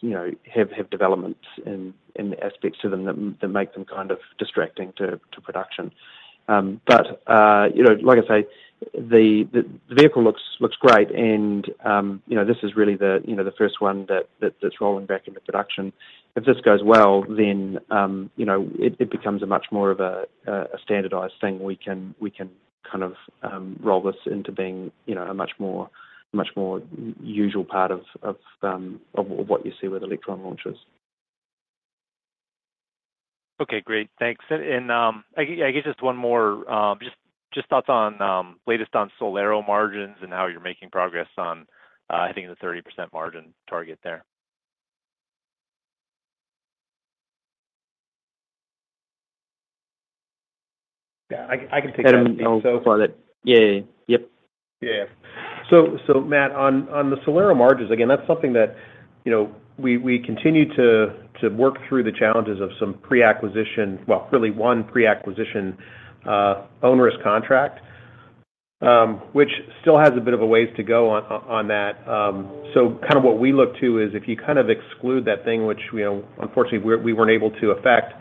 you know, have developments and aspects to them that make them kind of distracting to production. But, you know, like I say, the vehicle looks great, and, you know, this is really, you know, the first one that's rolling back into production. If this goes well, then, you know, it becomes much more of a standardized thing. We can kind of roll this into being, you know, a much more usual part of what you see with Electron launches. Okay, great. Thanks. And I guess just one more. Just thoughts on latest on SolAero margins and how you're making progress on hitting the 30% margin target there? Yeah, I can, I can take that. Go for it. Yeah. Yep. Yeah. So, Matt, on the SolAero margins, again, that's something that, you know, we continue to work through the challenges of some pre-acquisition—well, really one pre-acquisition, onerous contract, which still has a bit of a ways to go on that. So kind of what we look to is, if you kind of exclude that thing, which, you know, unfortunately, we weren't able to affect,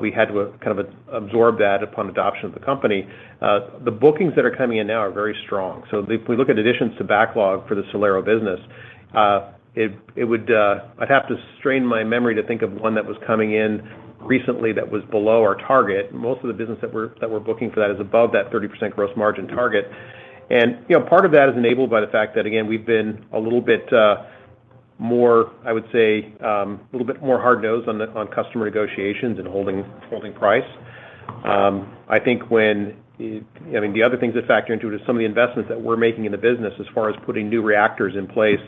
we had to kind of absorb that upon acquisition of the company. The bookings that are coming in now are very strong. So if we look at additions to backlog for the SolAero business, it would, I'd have to strain my memory to think of one that was coming in recently that was below our target. Most of the business that we're booking for that is above that 30% gross margin target. And, you know, part of that is enabled by the fact that, again, we've been a little bit more, I would say, a little bit more hard-nosed on the on customer negotiations and holding price. I think, I mean, the other things that factor into it is some of the investments that we're making in the business as far as putting new reactors in place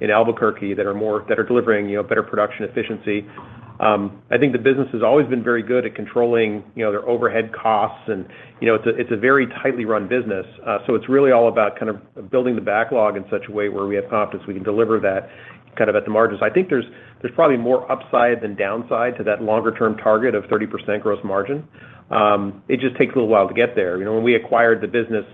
in Albuquerque that are delivering, you know, better production efficiency. I think the business has always been very good at controlling, you know, their overhead costs, and, you know, it's a very tightly run business. So it's really all about kind of building the backlog in such a way where we have confidence we can deliver that kind of at the margins. I think there's probably more upside than downside to that longer-term target of 30% gross margin. It just takes a little while to get there. You know, when we acquired the business,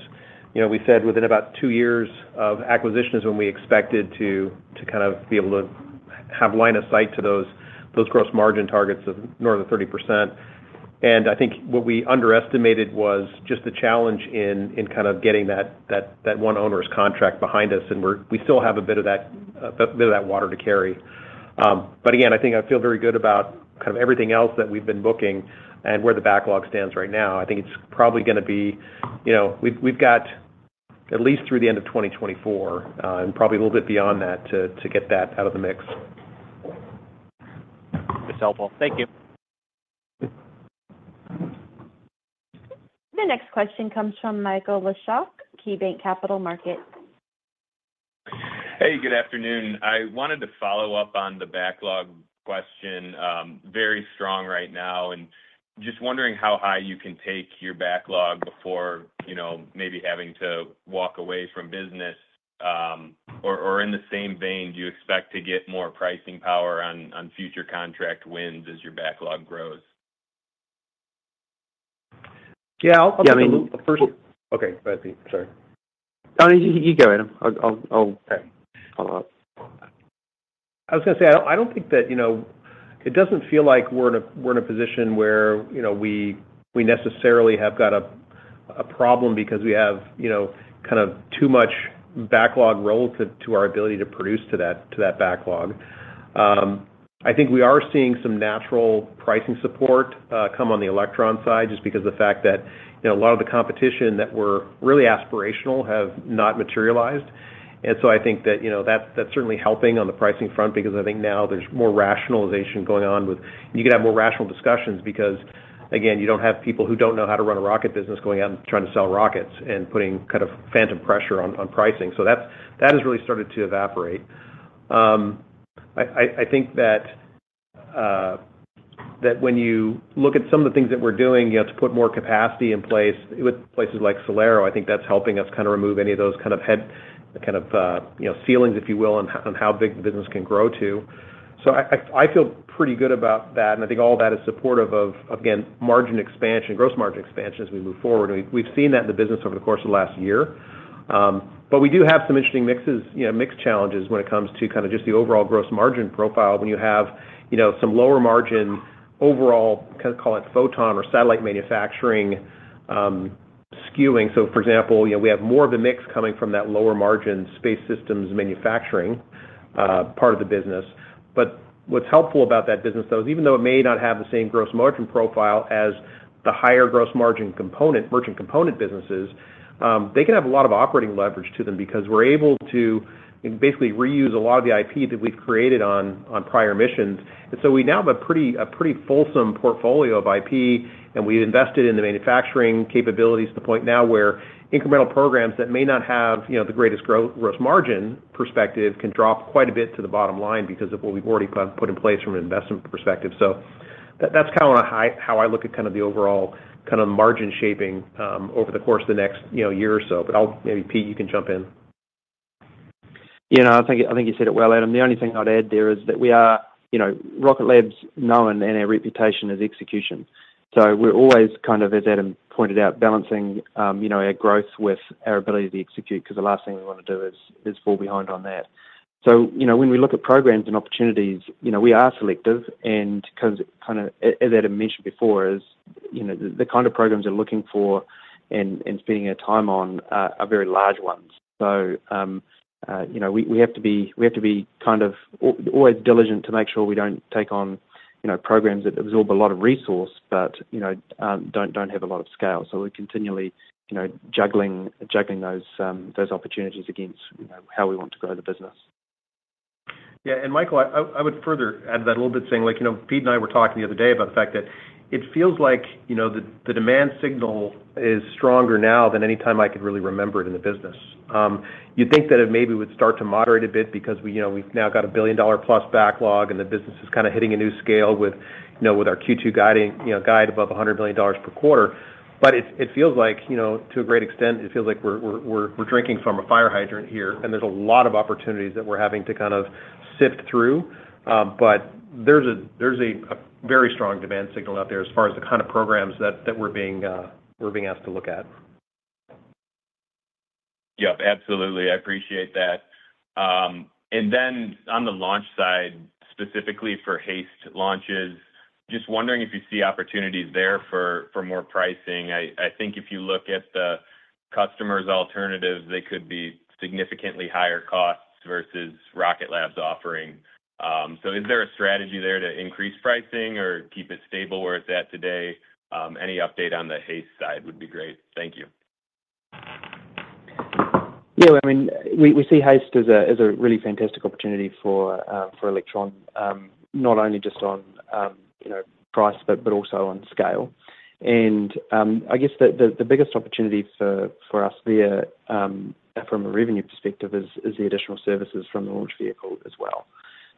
you know, we said within about two years of acquisition is when we expected to kind of be able to have line of sight to those gross margin targets of north of 30%. And I think what we underestimated was just the challenge in kind of getting that one onerous contract behind us, and we're we still have a bit of that bit of that water to carry. But again, I think I feel very good about kind of everything else that we've been booking and where the backlog stands right now. I think it's probably gonna be... You know, we've got at least through the end of 2024, and probably a little bit beyond that to get that out of the mix. That's helpful. Thank you. The next question comes from Michael Leshock, KeyBanc Capital Markets. Hey, good afternoon. I wanted to follow up on the backlog question, very strong right now, and just wondering how high you can take your backlog before, you know, maybe having to walk away from business. Or, in the same vein, do you expect to get more pricing power on future contract wins as your backlog grows? Yeah, I'll- Yeah, I mean- Okay, go ahead, Pete. Sorry. Oh, you go, Adam. I'll- Okay. Follow up. I was gonna say, I don't think that, you know, it doesn't feel like we're in a position where, you know, we necessarily have got a problem because we have, you know, kind of too much backlog relative to our ability to produce to that backlog. I think we are seeing some natural pricing support come on the Electron side, just because of the fact that, you know, a lot of the competition that were really aspirational have not materialized. And so I think that, you know, that's certainly helping on the pricing front, because I think now there's more rationalization going on with. You can have more rational discussions because, again, you don't have people who don't know how to run a rocket business going out and trying to sell rockets and putting kind of phantom pressure on pricing. So that's, that has really started to evaporate. I think that when you look at some of the things that we're doing, you have to put more capacity in place. With places like SolAero, I think that's helping us kind of remove any of those kind of head, kind of, you know, ceilings, if you will, on how big the business can grow to. So I feel pretty good about that, and I think all that is supportive of, again, margin expansion, gross margin expansion as we move forward. We've seen that in the business over the course of the last year. But we do have some interesting mixes, you know, mix challenges when it comes to kind of just the overall gross margin profile when you have, you know, some lower margin overall, kind of, call it Photon or satellite manufacturing, skewing. So, for example, you know, we have more of a mix coming from that lower margin Space Systems manufacturing, part of the business. But what's helpful about that business, though, is even though it may not have the same gross margin profile as the higher gross margin component, merchant component businesses, they can have a lot of operating leverage to them because we're able to basically reuse a lot of the IP that we've created on prior missions. And so we now have a pretty fulsome portfolio of IP, and we invested in the manufacturing capabilities to the point now where incremental programs that may not have, you know, the greatest gross margin perspective, can drop quite a bit to the bottom line because of what we've already put in place from an investment perspective. So that's kind of how I look at kind of the overall kind of margin shaping, over the course of the next, you know, year or so. But I'll maybe, Pete, you can jump in. You know, I think, I think you said it well, Adam. The only thing I'd add there is that we are, you know, Rocket Lab's known and our reputation is execution. So we're always kind of, as Adam pointed out, balancing, you know, our growth with our ability to execute, because the last thing we want to do is fall behind on that. So, you know, when we look at programs and opportunities, you know, we are selective and kind of, as Adam mentioned before, you know, the kind of programs we're looking for and spending our time on are very large ones. So, you know, we have to be kind of always diligent to make sure we don't take on, you know, programs that absorb a lot of resource but, you know, don't have a lot of scale. So we're continually, you know, juggling those opportunities against, you know, how we want to grow the business. Yeah, and Michael, I would further add that a little bit saying, like, you know, Pete and I were talking the other day about the fact that it feels like, you know, the demand signal is stronger now than any time I could really remember it in the business. You'd think that it maybe would start to moderate a bit because we, you know, we've now got a billion-dollar-plus backlog, and the business is kind of hitting a new scale with, you know, with our Q2 guiding, you know, guide above $100 billion per quarter. But it feels like, you know, to a great extent, it feels like we're drinking from a fire hydrant here, and there's a lot of opportunities that we're having to kind of sift through. But there's a very strong demand signal out there as far as the kind of programs that we're being asked to look at. Yep, absolutely. I appreciate that. And then on the launch side, specifically for HASTE launches, just wondering if you see opportunities there for more pricing. I think if you look at the customer's alternatives, they could be significantly higher costs versus Rocket Lab's offering. So is there a strategy there to increase pricing or keep it stable where it's at today? Any update on the HASTE side would be great. Thank you.... Yeah, I mean, we see HASTE as a really fantastic opportunity for Electron, not only just on, you know, price, but also on scale. And I guess the biggest opportunity for us via from a revenue perspective is the additional services from the launch vehicle as well.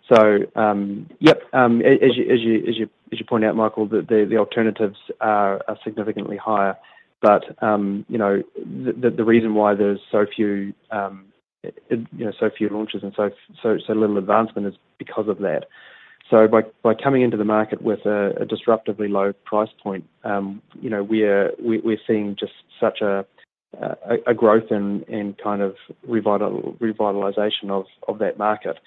So, yep, as you point out, Michael, the alternatives are significantly higher. But, you know, the reason why there's so few, you know, so few launches and so little advancement is because of that. So by coming into the market with a disruptively low price point, you know, we're seeing just such a growth and kind of revitalization of that market that,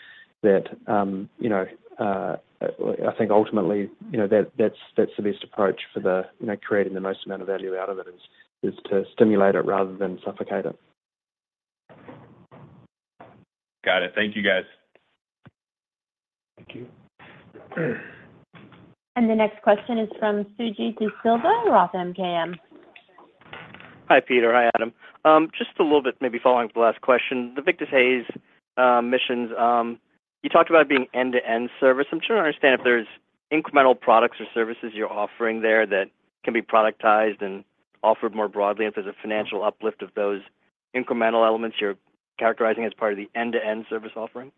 you know, I think ultimately, you know, that's the best approach for, you know, creating the most amount of value out of it, is to stimulate it rather than suffocate it. Got it. Thank you, guys. Thank you. The next question is from Suji Desilva, Roth MKM. Hi, Peter. Hi, Adam. Just a little bit, maybe following up the last question. The Victus Haze mission, you talked about it being end-to-end service. I'm trying to understand if there's incremental products or services you're offering there that can be productized and offered more broadly, if there's a financial uplift of those incremental elements you're characterizing as part of the end-to-end service offering?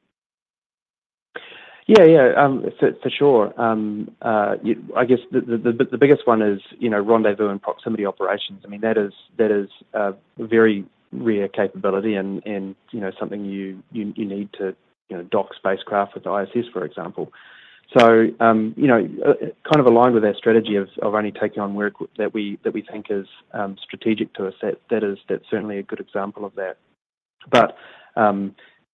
Yeah, yeah, for sure. I guess the biggest one is, you know, rendezvous and proximity operations. I mean, that is a very rare capability and, you know, something you need to, you know, dock spacecraft with the ISS, for example. So, you know, kind of aligned with our strategy of only taking on work that we think is strategic to us. That is, that's certainly a good example of that. But,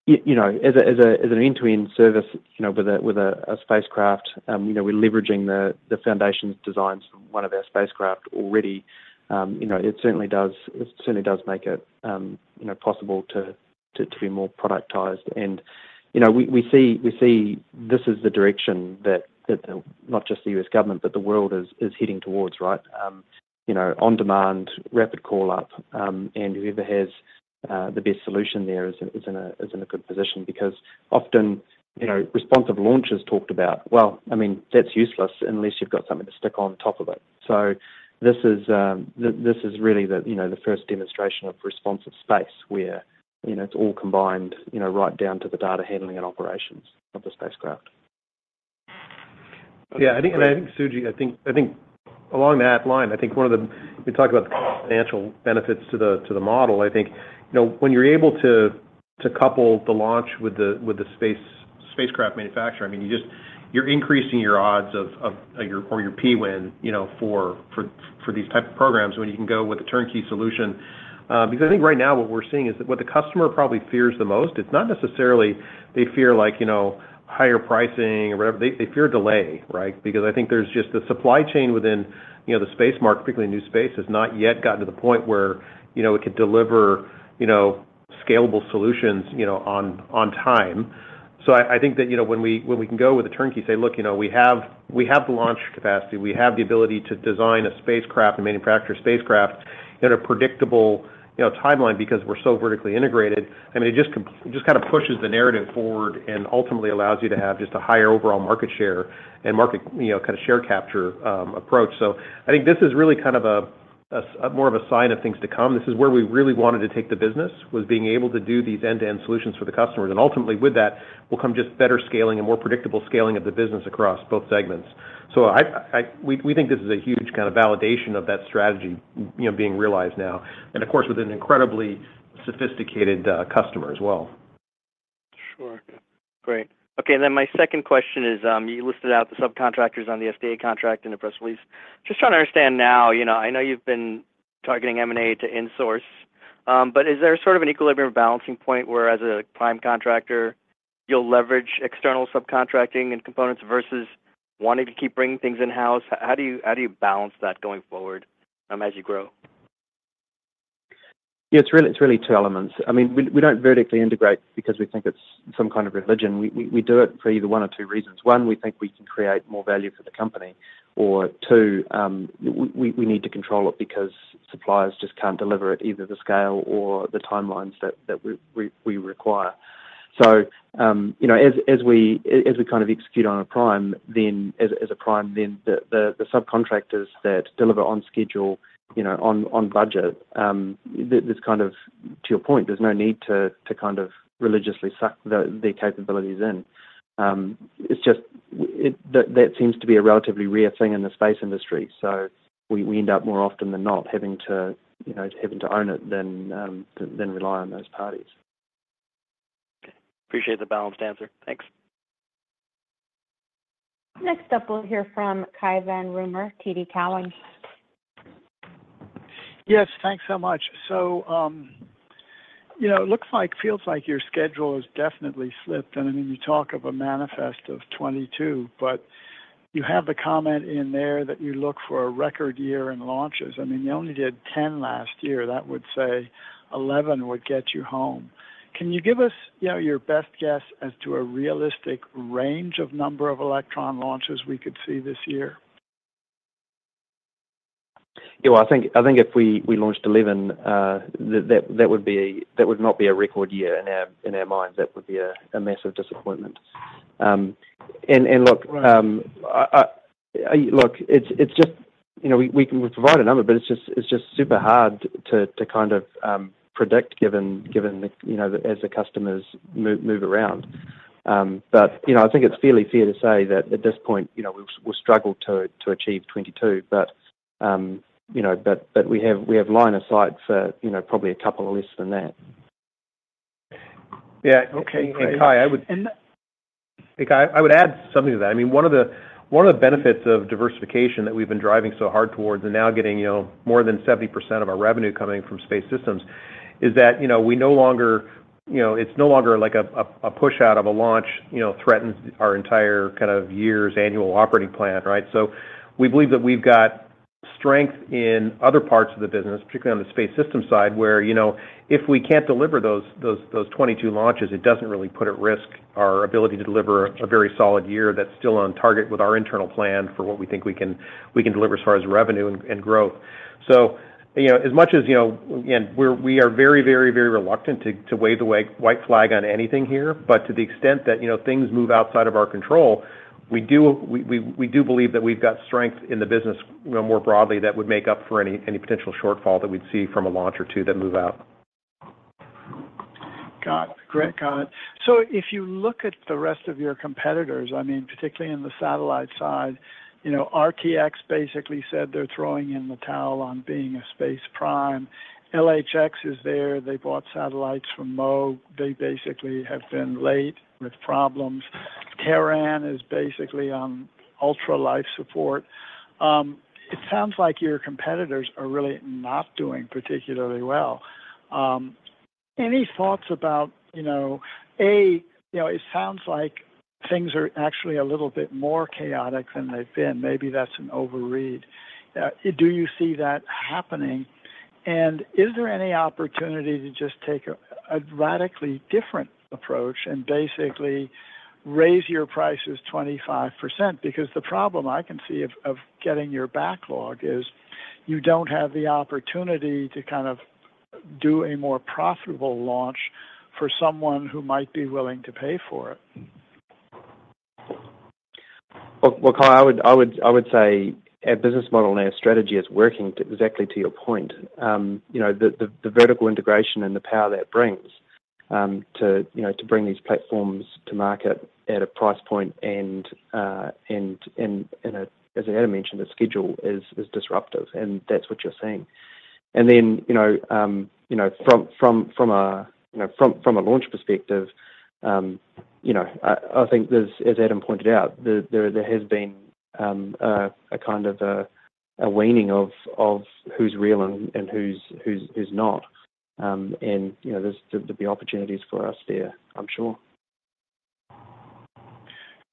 you know, as an end-to-end service, you know, with a spacecraft, you know, we're leveraging the foundations designs from one of our spacecraft already. You know, it certainly does make it, you know, possible to be more productized. You know, we see this is the direction that the, not just the U.S. government, but the world is heading towards, right? You know, on-demand, rapid call up, and whoever has the best solution there is in a good position. Because often, you know, responsive launch is talked about. Well, I mean, that's useless unless you've got something to stick on top of it. So this is really the, you know, the first demonstration of responsive space, where, you know, it's all combined, you know, right down to the data handling and operations of the spacecraft. Yeah, I think, Suji, I think along that line, I think one of the... We talked about the financial benefits to the model. I think, you know, when you're able to couple the launch with the spacecraft manufacturer, I mean, you're increasing your odds of, or your P-win, you know, for these type of programs when you can go with a turnkey solution. Because I think right now what we're seeing is that what the customer probably fears the most, it's not necessarily they fear like, you know, higher pricing or whatever. They fear delay, right? Because I think there's just the supply chain within, you know, the space market, particularly new space, has not yet gotten to the point where, you know, it could deliver, you know, scalable solutions, you know, on, on time. So I, I think that, you know, when we, when we can go with the turnkey, say, "Look, you know, we have, we have the launch capacity, we have the ability to design a spacecraft and manufacture a spacecraft in a predictable, you know, timeline because we're so vertically integrated," I mean, it just kind of pushes the narrative forward and ultimately allows you to have just a higher overall market share and market, you know, kind of share capture, approach. So I think this is really kind of a more of a sign of things to come. This is where we really wanted to take the business, was being able to do these end-to-end solutions for the customers, and ultimately with that will come just better scaling and more predictable scaling of the business across both segments. So we think this is a huge kind of validation of that strategy, you know, being realized now, and of course, with an incredibly sophisticated customer as well. Sure. Great. Okay, and then my second question is, you listed out the subcontractors on the SDA contract in the press release. Just trying to understand now, you know, I know you've been targeting M&A to insource, but is there sort of an equilibrium balancing point where, as a prime contractor, you'll leverage external subcontracting and components versus wanting to keep bringing things in-house? How do you, how do you balance that going forward, as you grow? Yeah, it's really, it's really two elements. I mean, we don't vertically integrate because we think it's some kind of religion. We do it for either one or two reasons. One, we think we can create more value for the company, or two, we need to control it because suppliers just can't deliver it, either the scale or the timelines that we require. So, you know, as we kind of execute on a prime, then as a prime, then the subcontractors that deliver on schedule, you know, on budget, there's kind of, to your point, there's no need to kind of religiously suck the capabilities in. It's just that that seems to be a relatively rare thing in the space industry. We end up, more often than not, having to, you know, own it than rely on those parties. Okay. Appreciate the balanced answer. Thanks. Next up, we'll hear from Cai von Rumohr, TD Cowen. Yes, thanks so much. So, you know, it looks like, feels like your schedule has definitely slipped. And I mean, you talk of a manifest of 22, but you have the comment in there that you look for a record year in launches. I mean, you only did 10 last year. That would say 11 would get you home. Can you give us, you know, your best guess as to a realistic range of number of Electron launches we could see this year?... Yeah, well, I think if we launched 11, that would not be a record year in our minds; that would be a massive disappointment. And look, it's just, you know, we can provide a number, but it's just super hard to kind of predict, given the, you know, as the customers move around. But you know, I think it's fairly fair to say that at this point, you know, we've struggled to achieve 22, but you know, but we have line of sight for, you know, probably a couple less than that. Yeah. Okay, Cai, I would- And- Hey, Cai, I would add something to that. I mean, one of the benefits of diversification that we've been driving so hard towards and now getting, you know, more than 70% of our revenue coming from Space Systems, is that, you know, we no longer, you know, it's no longer like a push out of a launch, you know, threatens our entire kind of year's annual operating plan, right? So we believe that we've got strength in other parts of the business, particularly on the space system side, where, you know, if we can't deliver those 22 launches, it doesn't really put at risk our ability to deliver a very solid year that's still on target with our internal plan for what we think we can, we can deliver as far as revenue and growth. So, you know, as much as, you know, again, we are very, very, very reluctant to wave the white flag on anything here, but to the extent that, you know, things move outside of our control, we do believe that we've got strength in the business, you know, more broadly, that would make up for any potential shortfall that we'd see from a launch or two that move out. Got it. Great comment. So if you look at the rest of your competitors, I mean, particularly in the satellite side, you know, RTX basically said they're throwing in the towel on being a space prime. LHX is there. They bought satellites from Moog. They basically have been late with problems. Terran is basically on ultra life support. It sounds like your competitors are really not doing particularly well. Any thoughts about, you know, A, you know, it sounds like things are actually a little bit more chaotic than they've been. Maybe that's an overread. Do you see that happening? And is there any opportunity to just take a radically different approach and basically raise your prices 25%? Because the problem I can see of getting your backlog is, you don't have the opportunity to kind of do a more profitable launch for someone who might be willing to pay for it. Well, look, Cai, I would say our business model and our strategy is working exactly to your point. You know, the vertical integration and the power that brings to bring these platforms to market at a price point, and as Adam mentioned, the schedule is disruptive, and that's what you're seeing. And then, you know, from a launch perspective, you know, I think there's, as Adam pointed out, there has been a kind of a waning of who's real and who's not. And you know, there's the opportunities for us there, I'm sure.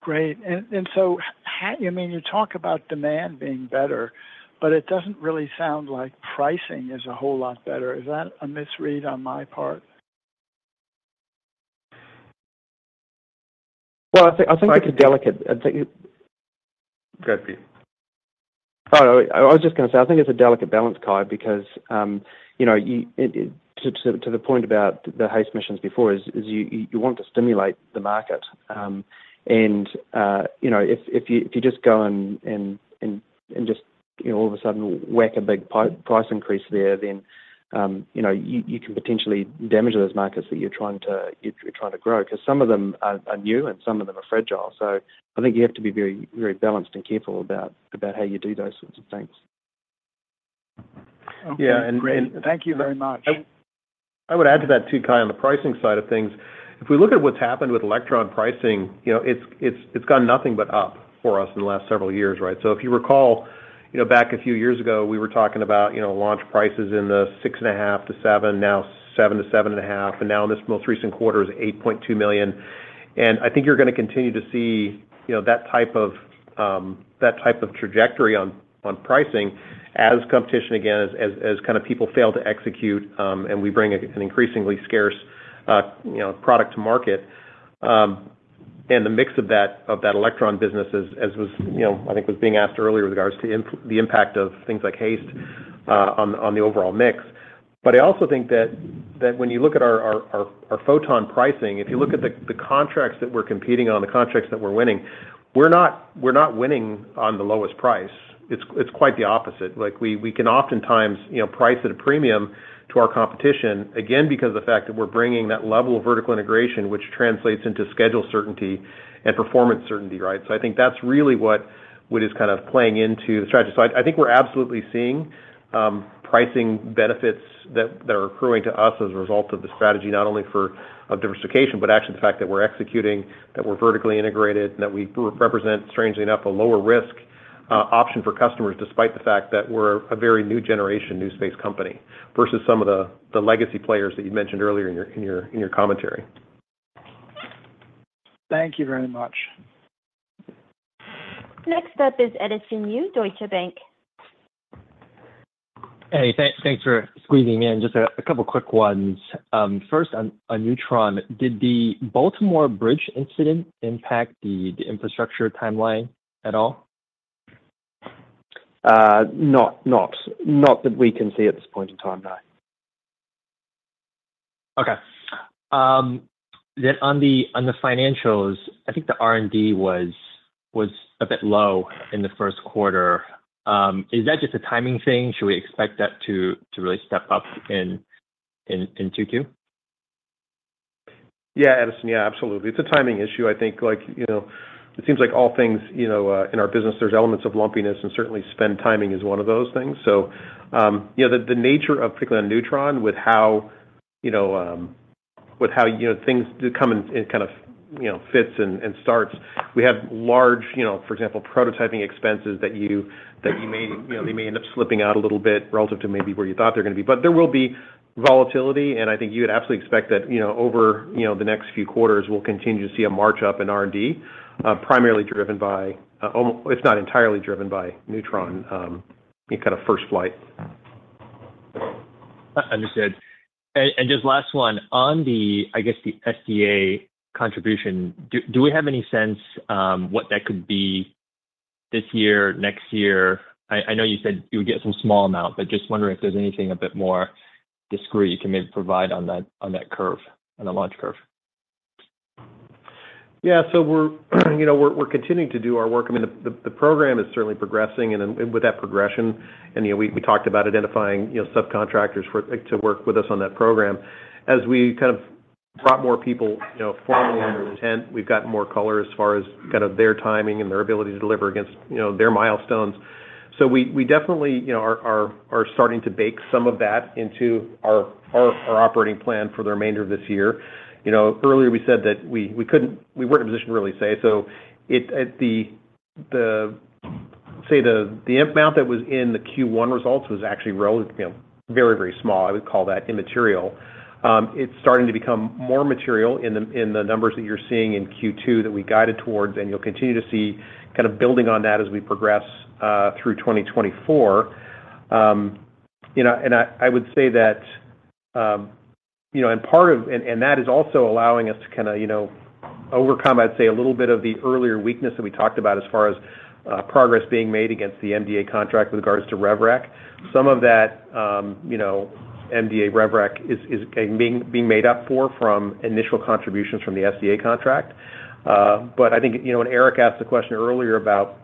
Great. And so, how, I mean, you talk about demand being better, but it doesn't really sound like pricing is a whole lot better. Is that a misread on my part? Well, I think it's a delicate- Go ahead, please. Oh, I was just gonna say, I think it's a delicate balance, Cai, because you know, to the point about the HASTE missions before, is you want to stimulate the market. And you know, if you just go and just you know, all of a sudden whack a big price increase there, then you know, you can potentially damage those markets that you're trying to grow. Cause some of them are new and some of them are fragile. So I think you have to be very, very balanced and careful about how you do those sorts of things. Yeah. Great. Thank you very much. I would add to that too, Cai, on the pricing side of things. If we look at what's happened with Electron pricing, you know, it's gone nothing but up for us in the last several years, right? So if you recall, you know, back a few years ago, we were talking about, you know, launch prices in the $6.5 million-$7 million, now $7 million-$7.5 million, and now in this most recent quarter is $8.2 million. And I think you're gonna continue to see, you know, that type of, that type of trajectory on, on pricing as competition, again, as, as kind of people fail to execute, and we bring a, an increasingly scarce, you know, product to market. And the mix of that Electron business as was, you know, I think was being asked earlier with regards to the impact of things like HASTE on the overall mix. But I also think that when you look at our Photon pricing, if you look at the contracts that we're competing on, the contracts that we're winning, we're not winning on the lowest price. It's quite the opposite. Like, we can oftentimes, you know, price at a premium to our competition, again, because of the fact that we're bringing that level of vertical integration, which translates into schedule certainty and performance certainty, right? So I think that's really what is kind of playing into the strategy. So I think we're absolutely seeing pricing benefits that are accruing to us as a result of the strategy, not only for, of diversification, but actually the fact that we're executing, that we're vertically integrated, and that we represent, strangely enough, a lower risk option for customers, despite the fact that we're a very new generation, new space company, versus some of the legacy players that you mentioned earlier in your commentary. Thank you very much. Next up is Edison Yu, Deutsche Bank. Hey, thanks, thanks for squeezing me in. Just a couple quick ones. First, on Neutron, did the Baltimore bridge incident impact the infrastructure timeline at all? Not that we can see at this point in time, no. Okay. Then on the financials, I think the R&D was a bit low in the first quarter. Is that just a timing thing? Should we expect that to really step up in 2Q? Yeah, Edison. Yeah, absolutely. It's a timing issue. I think, like, you know, it seems like all things, you know, in our business, there's elements of lumpiness, and certainly spend timing is one of those things. So, you know, the nature of particularly on Neutron with how, you know, things do come in, in kind of, you know, fits and starts. We have large, you know, for example, prototyping expenses that you may, you know, they may end up slipping out a little bit relative to maybe where you thought they're gonna be. But there will be volatility, and I think you would absolutely expect that, you know, over you know the next few quarters, we'll continue to see a march up in R&D, primarily driven by if not entirely driven by Neutron, in kind of first flight. Understood. Just last one. On the, I guess, the SDA contribution, do we have any sense, what that could be this year, next year? I know you said you would get some small amount, but just wondering if there's anything a bit more discreet you can maybe provide on that, on that curve, on the launch curve? Yeah. So we're, you know, continuing to do our work. I mean, the program is certainly progressing, and then with that progression, and, you know, we talked about identifying, you know, subcontractors to work with us on that program. As we kind of brought more people, you know, formally under the tent, we've gotten more color as far as kind of their timing and their ability to deliver against, you know, their milestones. So we definitely, you know, are starting to bake some of that into our operating plan for the remainder of this year. You know, earlier we said that we couldn't. We weren't in a position to really say. So, say, the amount that was in the Q1 results was actually relatively, you know, very, very small. I would call that immaterial. It's starting to become more material in the numbers that you're seeing in Q2 that we guided towards, and you'll continue to see kind of building on that as we progress through 2024. You know, and I would say that, you know, and that is also allowing us to kinda, you know, overcome, I'd say, a little bit of the earlier weakness that we talked about as far as progress being made against the MDA contract with regards to Rev-Rec. Some of that, you know, MDA Rev-Rec is being made up for from initial contributions from the SDA contract. But I think, you know, when Eric asked the question earlier about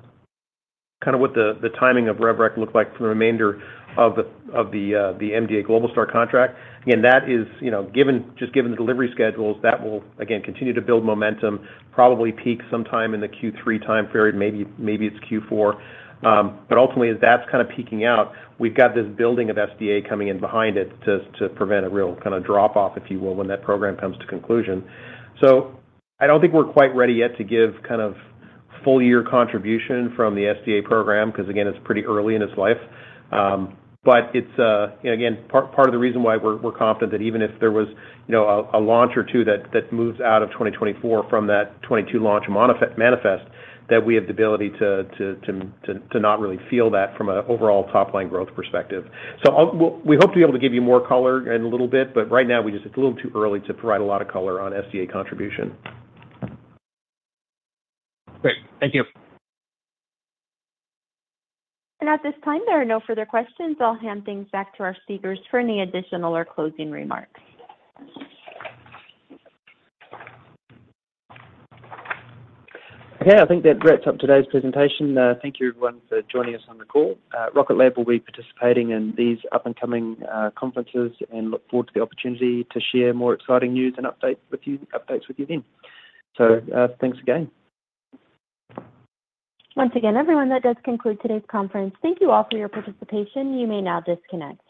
kind of what the, the timing of Rev-Rec looked like for the remainder of the, of the, the MDA Globalstar contract, again, that is, you know, given, just given the delivery schedules, that will, again, continue to build momentum, probably peak sometime in the Q3 time period, maybe, maybe it's Q4. But ultimately, as that's kind of peaking out, we've got this building of SDA coming in behind it to, to prevent a real kind of drop-off, if you will, when that program comes to conclusion. So I don't think we're quite ready yet to give kind of full year contribution from the SDA program, because, again, it's pretty early in its life. But it's, you know, again, part of the reason why we're confident that even if there was, you know, a launch or two that moves out of 2024 from that 22-launch manifest, that we have the ability to not really feel that from a overall top-line growth perspective. So I'll—we hope to be able to give you more color in a little bit, but right now, we just... It's a little too early to provide a lot of color on SDA contribution. Great. Thank you. At this time, there are no further questions. I'll hand things back to our speakers for any additional or closing remarks. Okay. I think that wraps up today's presentation. Thank you everyone for joining us on the call. Rocket Lab will be participating in these up-and-coming conferences and look forward to the opportunity to share more exciting news and updates with you then. So, thanks again. Once again, everyone, that does conclude today's conference. Thank you all for your participation. You may now disconnect.